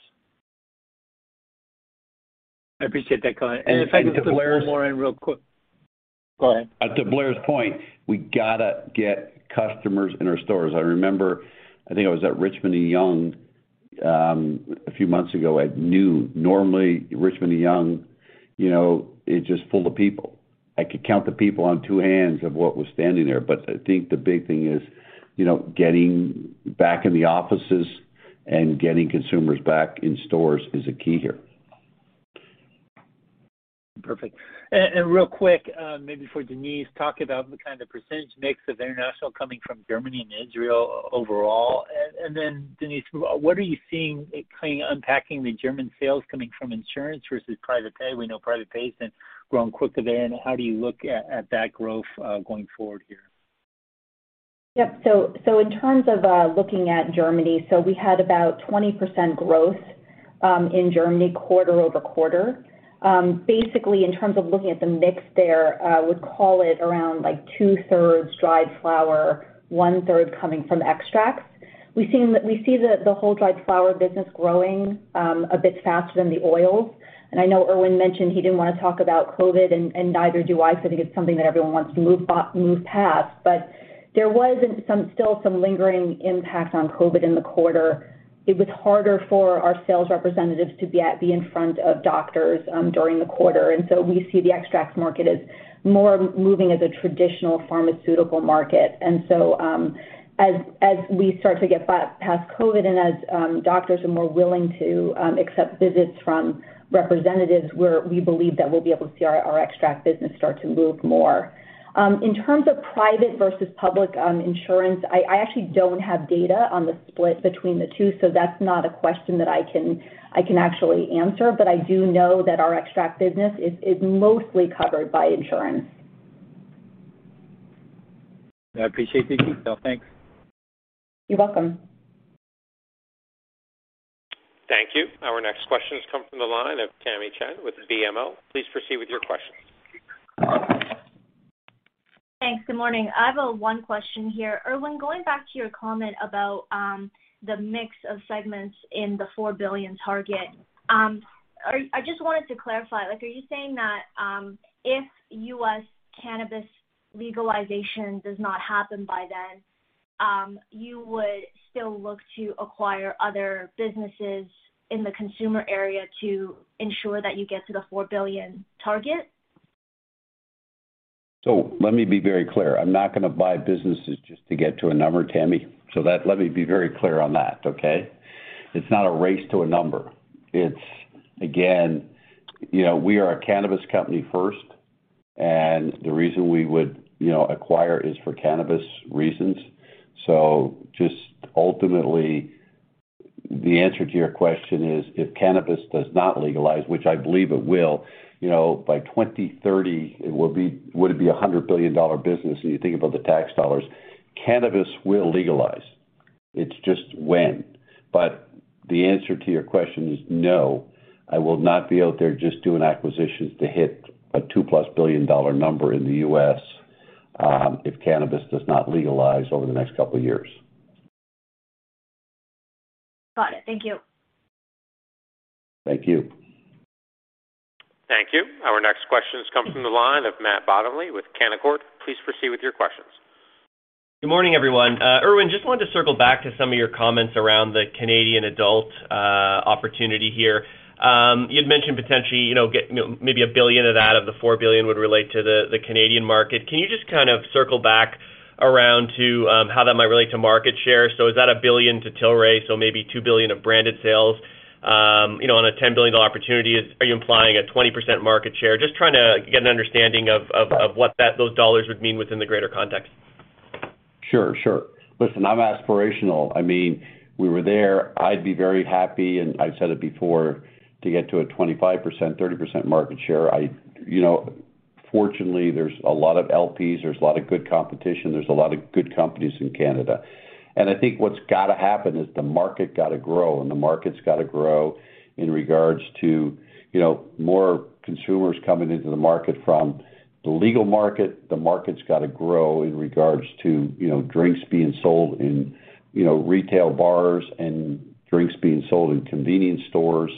I appreciate that comment. If I can put one more in real quick. Go ahead. To Blair's point, we gotta get customers in our stores. I remember, I think it was at Richmond Yonge, a few months ago. I knew normally Richmond Yonge, you know, it's just full of people. I could count the people on two hands of what was standing there. But I think the big thing is, you know, getting back in the offices and getting consumers back in stores is a key here. Perfect. Real quick, maybe for Denise, talk about the kind of percentage mix of international coming from Germany and Israel overall. Denise, what are you seeing, kind of unpacking the German sales coming from insurance versus private pay? We know private pay has been growing quicker there, and how do you look at that growth going forward here? Yep. In terms of looking at Germany, we had about 20% growth in Germany quarter-over-quarter. Basically, in terms of looking at the mix there, I would call it around, like, 2/3 dried flower, 1/3 coming from extracts. We see the whole dried flower business growing a bit faster than the oils. I know Irwin mentioned he didn't wanna talk about COVID, and neither do I, because I think it's something that everyone wants to move past, but there was still some lingering impact on COVID in the quarter. It was harder for our sales representatives to be in front of doctors during the quarter. We see the extracts market as more of a traditional pharmaceutical market. As we start to get past COVID, and as doctors are more willing to accept visits from representatives, we believe that we'll be able to see our extract business start to move more. In terms of private versus public insurance, I actually don't have data on the split between the two, so that's not a question that I can actually answer. But I do know that our extract business is mostly covered by insurance. I appreciate the detail. Thanks. You're welcome. Thank you. Our next question comes from the line of Tamy Chen with BMO. Please proceed with your questions. Thanks. Good morning. I have one question here. Irwin, going back to your comment about the mix of segments in the $4 billion target. I just wanted to clarify. Like, are you saying that if U.S. cannabis legalization does not happen by then, you would still look to acquire other businesses in the consumer area to ensure that you get to the $4 billion target? Let me be very clear. I'm not gonna buy businesses just to get to a number, Tamy. That, let me be very clear on that, okay? It's not a race to a number. It's again, you know, we are a cannabis company first, and the reason we would, you know, acquire is for cannabis reasons. Just ultimately, the answer to your question is, if cannabis does not legalize, which I believe it will, you know, by 2030 it would be a $100 billion business, and you think about the tax dollars. Cannabis will legalize. It's just when. The answer to your question is no, I will not be out there just doing acquisitions to hit a $2+ billion number in the U.S., if cannabis does not legalize over the next couple of years. Got it. Thank you. Thank you. Thank you. Our next question comes from the line of Matt Bottomley with Canaccord. Please proceed with your questions. Good morning, everyone. Irwin, just wanted to circle back to some of your comments around the Canadian adult opportunity here. You'd mentioned potentially, you know, maybe $1 billion of that, of the $4 billion would relate to the Canadian market. Can you just kind of circle back around to how that might relate to market share? Is that $1 billion to Tilray, so maybe $2 billion of branded sales, you know, on a $10 billion opportunity? Are you implying a 20% market share? Just trying to get an understanding of what that those dollars would mean within the greater context. Sure, sure. Listen, I'm aspirational. I mean, we were there. I'd be very happy, and I've said it before, to get to a 25%, 30% market share. You know, fortunately, there's a lot of LPs, there's a lot of good competition, there's a lot of good companies in Canada. I think what's gotta happen is the market gotta grow, and the market's gotta grow in regards to, you know, more consumers coming into the market from the legal market. The market's gotta grow in regards to, you know, drinks being sold in, you know, retail bars and drinks being sold in convenience stores.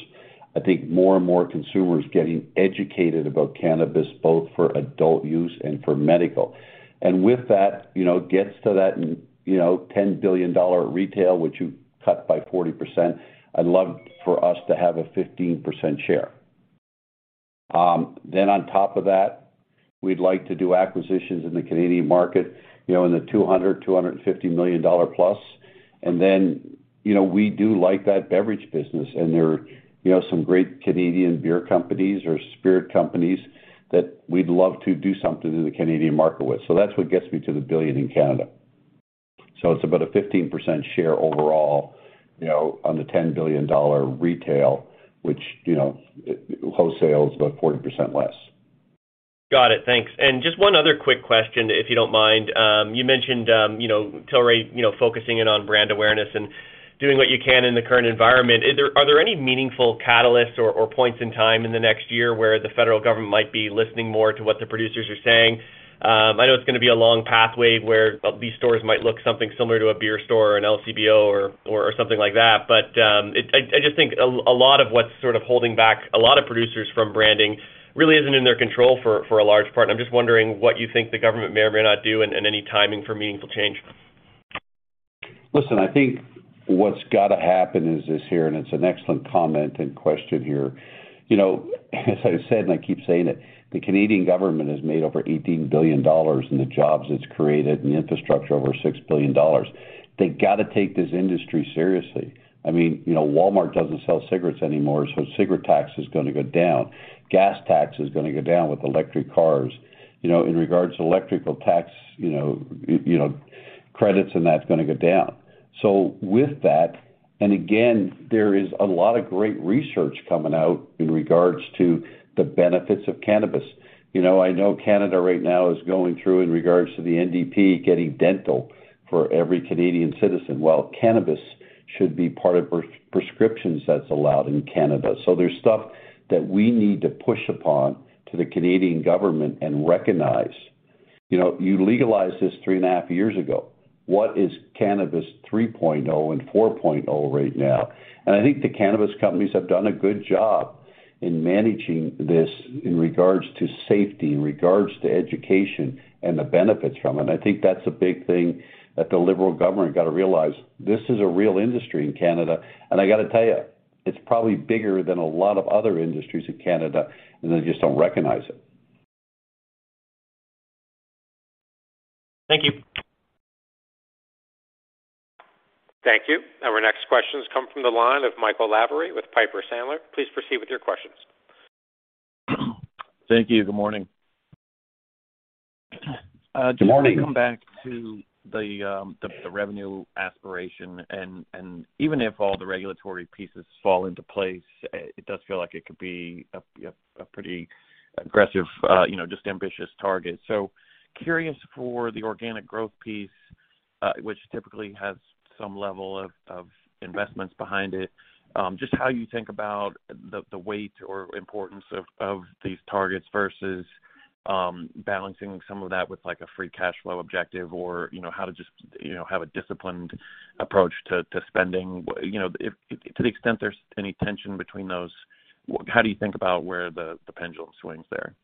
I think more and more consumers getting educated about cannabis, both for adult use and for medical. With that, you know, it gets to that, you know, $10 billion retail, which you cut by 40%. I'd love for us to have a 15% share. Then on top of that, we'd like to do acquisitions in the Canadian market, you know, in the $200-$250 million plus. You know, we do like that beverage business and there are, you know, some great Canadian beer companies or spirit companies that we'd love to do something in the Canadian market with. That's what gets me to the $1 billion in Canada. It's about a 15% share overall, you know, on the $10 billion retail, which, you know, wholesale is about 40% less. Got it. Thanks. Just one other quick question, if you don't mind. You mentioned, you know, Tilray, you know, focusing in on brand awareness and doing what you can in the current environment. Are there any meaningful catalysts or points in time in the next year where the federal government might be listening more to what the producers are saying? I know it's gonna be a long pathway where these stores might look something similar to a beer store or an LCBO or something like that. I just think a lot of what's sort of holding back a lot of producers from branding really isn't in their control for a large part. I'm just wondering what you think the government may or may not do and any timing for meaningful change. Listen, I think what's gotta happen is this here, and it's an excellent comment and question here. You know, as I've said, and I keep saying it, the Canadian government has made over $18 billion in the jobs it's created and the infrastructure over $6 billion. They gotta take this industry seriously. I mean, you know, Walmart doesn't sell cigarettes anymore, so cigarette tax is gonna go down. Gas tax is gonna go down with electric cars. You know, in regards to electrical tax, you know, you know, credits and that's gonna go down. With that, and again, there is a lot of great research coming out in regards to the benefits of cannabis. You know, I know Canada right now is going through in regards to the NDP getting dental for every Canadian citizen. Well, cannabis should be part of prescriptions that's allowed in Canada. There's stuff that we need to push upon to the Canadian government and recognize. You know, you legalized this three and a half years ago. What is cannabis 3.0 and 4.0 right now? I think the cannabis companies have done a good job in managing this in regards to safety, in regards to education and the benefits from it. I think that's a big thing that the Liberal government got to realize. This is a real industry in Canada, and I got to tell you, it's probably bigger than a lot of other industries in Canada, and they just don't recognize it. Thank you. Thank you. Our next question has come from the line of Michael Lavery with Piper Sandler. Please proceed with your questions. Thank you. Good morning. Good morning. Just want to come back to the revenue aspiration, and even if all the regulatory pieces fall into place, it does feel like it could be a pretty aggressive, you know, just ambitious target. Curious for the organic growth piece, which typically has some level of investments behind it, just how you think about the weight or importance of these targets versus balancing some of that with like a free cash flow objective or, you know, how to just have a disciplined approach to spending. You know, to the extent there's any tension between those, how do you think about where the pendulum swings there?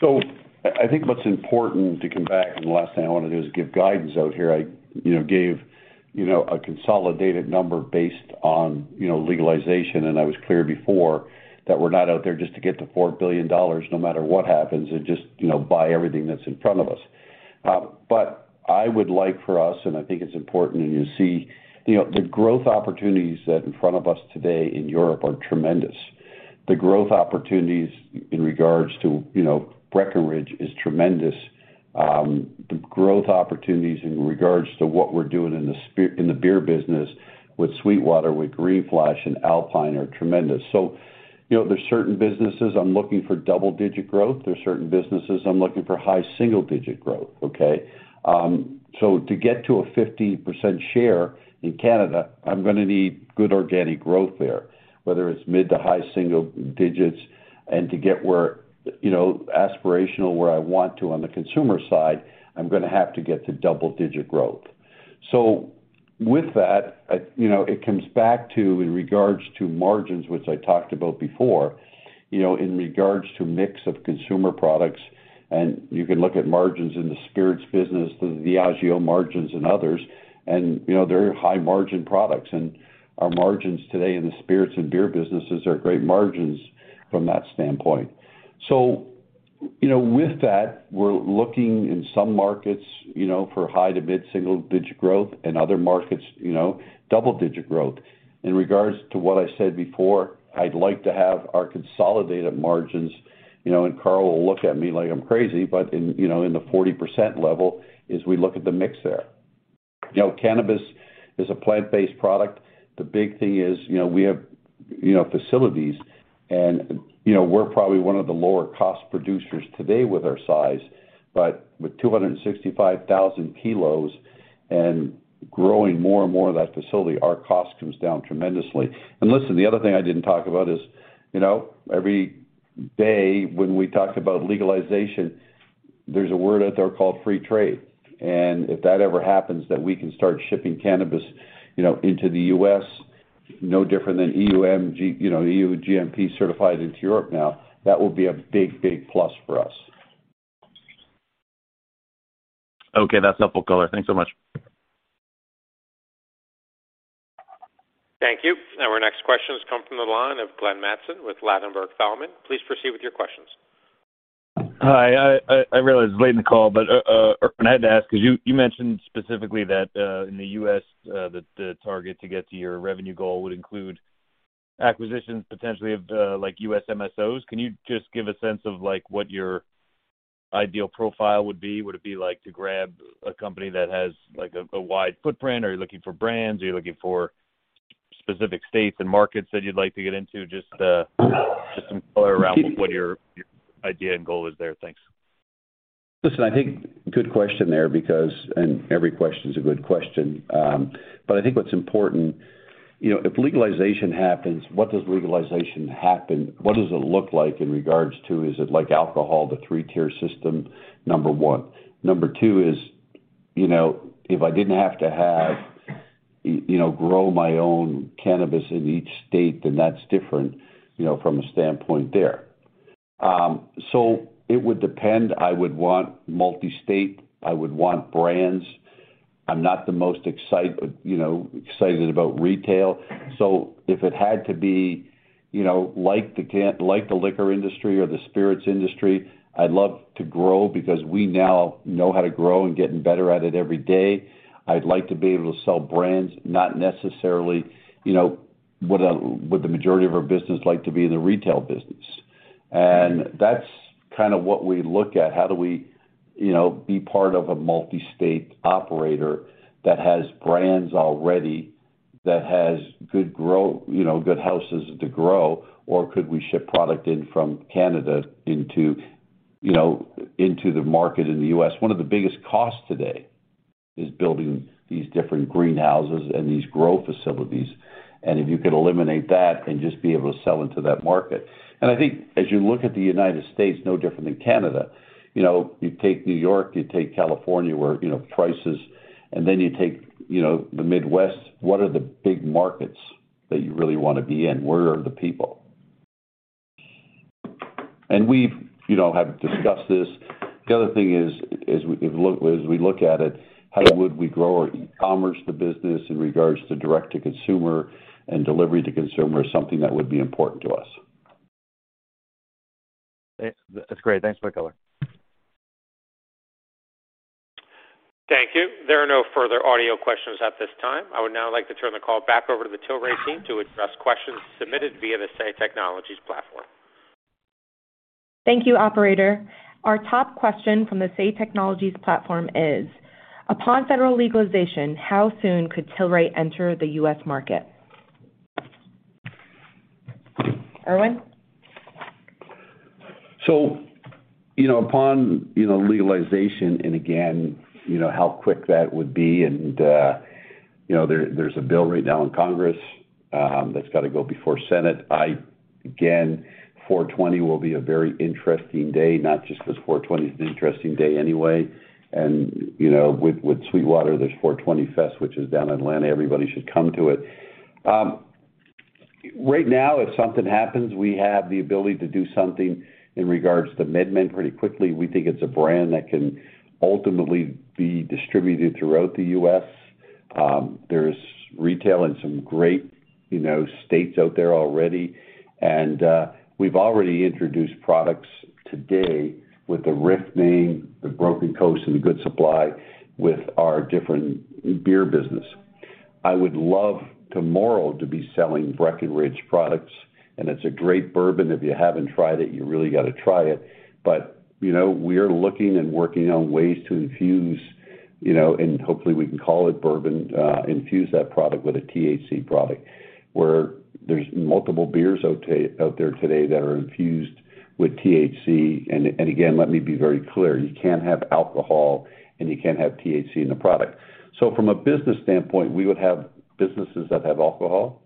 I think what's important to come back, and the last thing I wanna do is give guidance out here. I, you know, gave, you know, a consolidated number based on, you know, legalization, and I was clear before that we're not out there just to get to $4 billion no matter what happens and just, you know, buy everything that's in front of us. But I would like for us, and I think it's important, and you see, you know, the growth opportunities that in front of us today in Europe are tremendous. The growth opportunities in regards to, you know, Breckenridge is tremendous. The growth opportunities in regards to what we're doing in the beer business with SweetWater, with Green Flash and Alpine are tremendous. There're certain businesses I'm looking for double-digit growth. There's certain businesses I'm looking for high single-digit growth, okay? To get to a 50% share in Canada, I'm gonna need good organic growth there, whether it's mid- to high-single digits. To get where, you know, aspirational, where I want to on the consumer side, I'm gonna have to get to double-digit growth. With that, you know, it comes back to in regards to margins, which I talked about before, you know, in regards to mix of consumer products, and you can look at margins in the spirits business, the Diageo margins and others, and, you know, they're high margin products. Our margins today in the spirits and beer businesses are great margins from that standpoint. With that, we're looking in some markets, you know, for high- to mid-single-digit growth, in other markets, you know, double-digit growth. In regards to what I said before, I'd like to have our consolidated margins, you know, and Carl will look at me like I'm crazy, but in, you know, in the 40% level as we look at the mix there. You know, cannabis is a plant-based product. The big thing is, you know, we have, you know, facilities and, you know, we're probably one of the lower cost producers today with our size. But with 265,000 k and growing more and more of that facility, our cost comes down tremendously. Listen, the other thing I didn't talk about is, you know, every day when we talked about legalization, there's a word out there called free trade, and if that ever happens, that we can start shipping cannabis, you know, into the U.S., no different than EU GMP. You know, EU GMP certified into Europe now, that will be a big, big plus for us. Okay. That's helpful, Colin. Thanks so much. Thank you. Our next question has come from the line of Glenn Mattson with Ladenburg Thalmann. Please proceed with your questions. Hi, I realize it's late in the call, but and I had to ask because you mentioned specifically that in the U.S., the target to get to your revenue goal would include acquisitions potentially of like U.S. MSOs. Can you just give a sense of like what your ideal profile would be? Would it be like to grab a company that has like a wide footprint? Are you looking for brands? Are you looking for specific states and markets that you'd like to get into just some color around what your idea and goal is there. Thanks. Listen, I think good question there because every question is a good question. I think what's important, you know, if legalization happens, what does it look like in regards to, is it like alcohol, the three-tier system? Number one. Number two is, you know, if I didn't have to have, you know, grow my own cannabis in each state, then that's different, you know, from a standpoint there. It would depend. I would want multi-state. I would want brands. I'm not the most you know, excited about retail. If it had to be, you know, like the liquor industry or the spirits industry, I'd love to grow because we now know how to grow and getting better at it every day. I'd like to be able to sell brands, not necessarily. You know, would the majority of our business like to be in the retail business? That's kind of what we look at. How do we, you know, be part of a multi-state operator that has brands already, that has good houses to grow? Could we ship product in from Canada into the market in the U.S.? One of the biggest costs today is building these different greenhouses and these growth facilities. If you could eliminate that and just be able to sell into that market. I think as you look at the United States, no different than Canada. You know, you take New York, you take California, where prices, and then you take the Midwest. What are the big markets that you really wanna be in? Where are the people? We've, you know, discussed this. The other thing is, as we look at it, how would we grow our e-commerce, the business, in regards to direct to consumer and delivery to consumer, is something that would be important to us. That's great. Thanks for the color. Thank you. There are no further audio questions at this time. I would now like to turn the call back over to the Tilray team to address questions submitted via the Say Technologies platform. Thank you, operator. Our top question from the Say Technologies platform is: Upon federal legalization, how soon could Tilray enter the U.S. market? Irwin. You know, upon you know legalization and again you know how quick that would be, and you know there there's a bill right now in Congress that's got to go before Senate. Again, 4/20 will be a very interesting day, not just because 4/20 is an interesting day anyway. You know, with SweetWater, there's 420 Fest, which is down in Atlanta. Everybody should come to it. Right now, if something happens, we have the ability to do something in regards to MedMen pretty quickly. We think it's a brand that can ultimately be distributed throughout the U.S. There's retail in some great you know states out there already. We've already introduced products today with the RIFF name, the Broken Coast and the Good Supply with our different beer business. I would love tomorrow to be selling Breckenridge products, and it's a great bourbon. If you haven't tried it, you really got to try it. You know, we are looking and working on ways to infuse, you know, and hopefully we can call it bourbon, infuse that product with a THC product. Where there's multiple beers out there today that are infused with THC. And again, let me be very clear, you can't have alcohol and you can't have THC in the product. From a business standpoint, we would have businesses that have alcohol,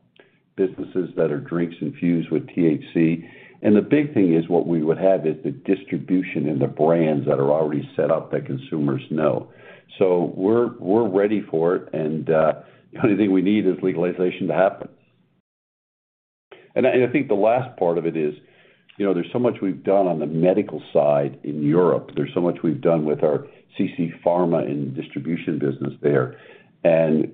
businesses that are drinks infused with THC. The big thing is what we would have is the distribution in the brands that are already set up that consumers know. We're ready for it. The only thing we need is legalization to happen. I think the last part of it is, you know, there's so much we've done on the medical side in Europe. There's so much we've done with our CC Pharma and distribution business there.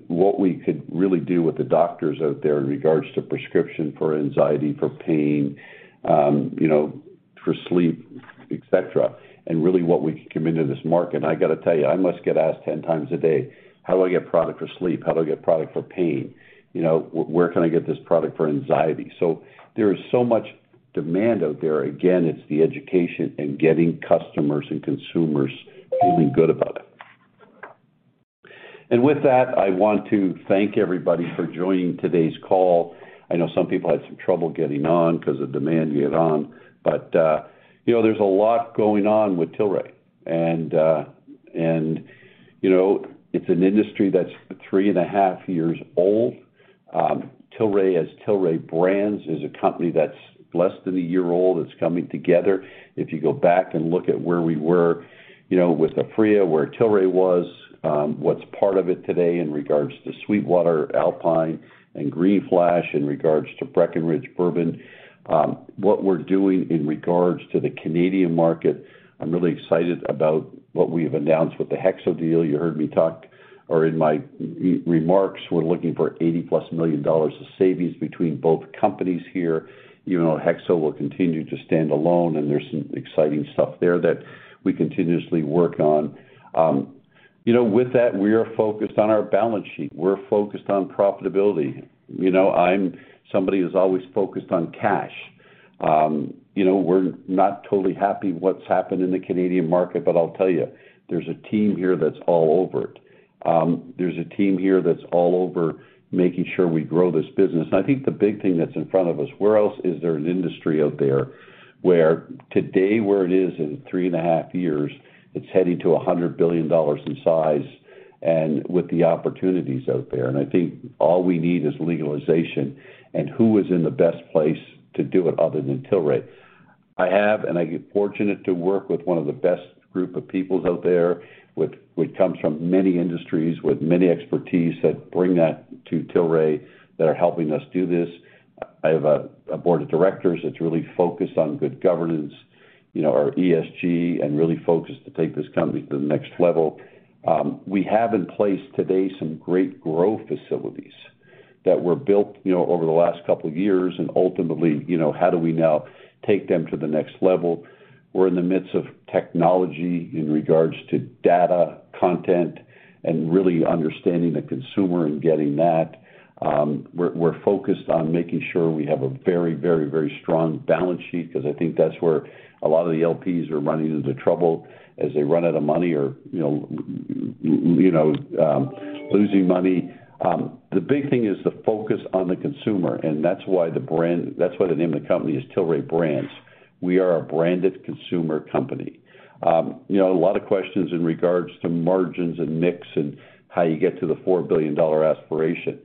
What we could really do with the doctors out there in regards to prescription for anxiety, for pain, you know, for sleep, etc. Really what we can come into this market. I got to tell you, I must get asked 10x a day, how do I get product for sleep? How do I get product for pain? You know, where can I get this product for anxiety? There is so much demand out there. Again, it's the education and getting customers and consumers feeling good about it. With that, I want to thank everybody for joining today's call. I know some people had some trouble getting on because of demand to get on. You know, there's a lot going on with Tilray. You know, it's an industry that's three and a half years old. Tilray, as Tilray Brands, is a company that's less than a year old that's coming together. If you go back and look at where we were, you know, with Aphria, where Tilray was, what's part of it today in regards to SweetWater, Alpine, and Green Flash, in regards to Breckenridge Bourbon. What we're doing in regards to the Canadian market, I'm really excited about what we've announced with the Hexo deal. You heard me in my prepared remarks, we're looking for $80+ million of savings between both companies here. You know, Hexo will continue to stand alone, and there's some exciting stuff there that we continuously work on. You know, with that, we are focused on our balance sheet. We're focused on profitability. You know, I'm somebody who's always focused on cash. You know, we're not totally happy what's happened in the Canadian market, but I'll tell you, there's a team here that's all over it. There's a team here that's all over making sure we grow this business. I think the big thing that's in front of us, where else is there an industry out there where today, where it is in three and a half years, it's heading to $100 billion in size and with the opportunities out there. I think all we need is legalization and who is in the best place to do it other than Tilray. I have and I get fortunate to work with one of the best group of peoples out there, which comes from many industries, with many expertise that bring that to Tilray, that are helping us do this. I have a board of directors that's really focused on good governance, you know, our ESG, and really focused to take this company to the next level. We have in place today some great growth facilities that were built, you know, over the last couple of years. Ultimately, you know, how do we now take them to the next level? We're in the midst of technology in regards to data, content, and really understanding the consumer and getting that. We're focused on making sure we have a very strong balance sheet because I think that's where a lot of the LPs are running into trouble as they run out of money or, you know, losing money. The big thing is the focus on the consumer, and that's why the name of the company is Tilray Brands. We are a branded consumer company. You know, a lot of questions in regards to margins and mix and how you get to the $4 billion aspiration.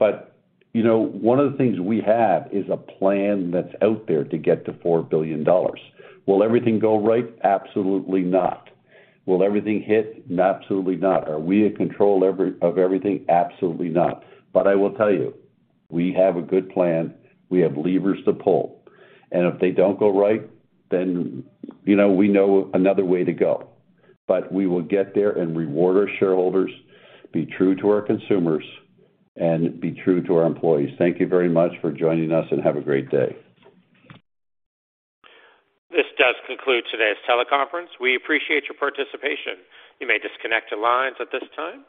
One of the things we have is a plan that's out there to get to $4 billion. Will everything go right? Absolutely not. Will everything hit? Absolutely not. Are we in control of everything? Absolutely not. I will tell you, we have a good plan. We have levers to pull. If they don't go right, then, you know, we know another way to go. We will get there and reward our shareholders, be true to our consumers, and be true to our employees. Thank you very much for joining us and have a great day. This does conclude today's teleconference. We appreciate your participation. You may disconnect your lines at this time.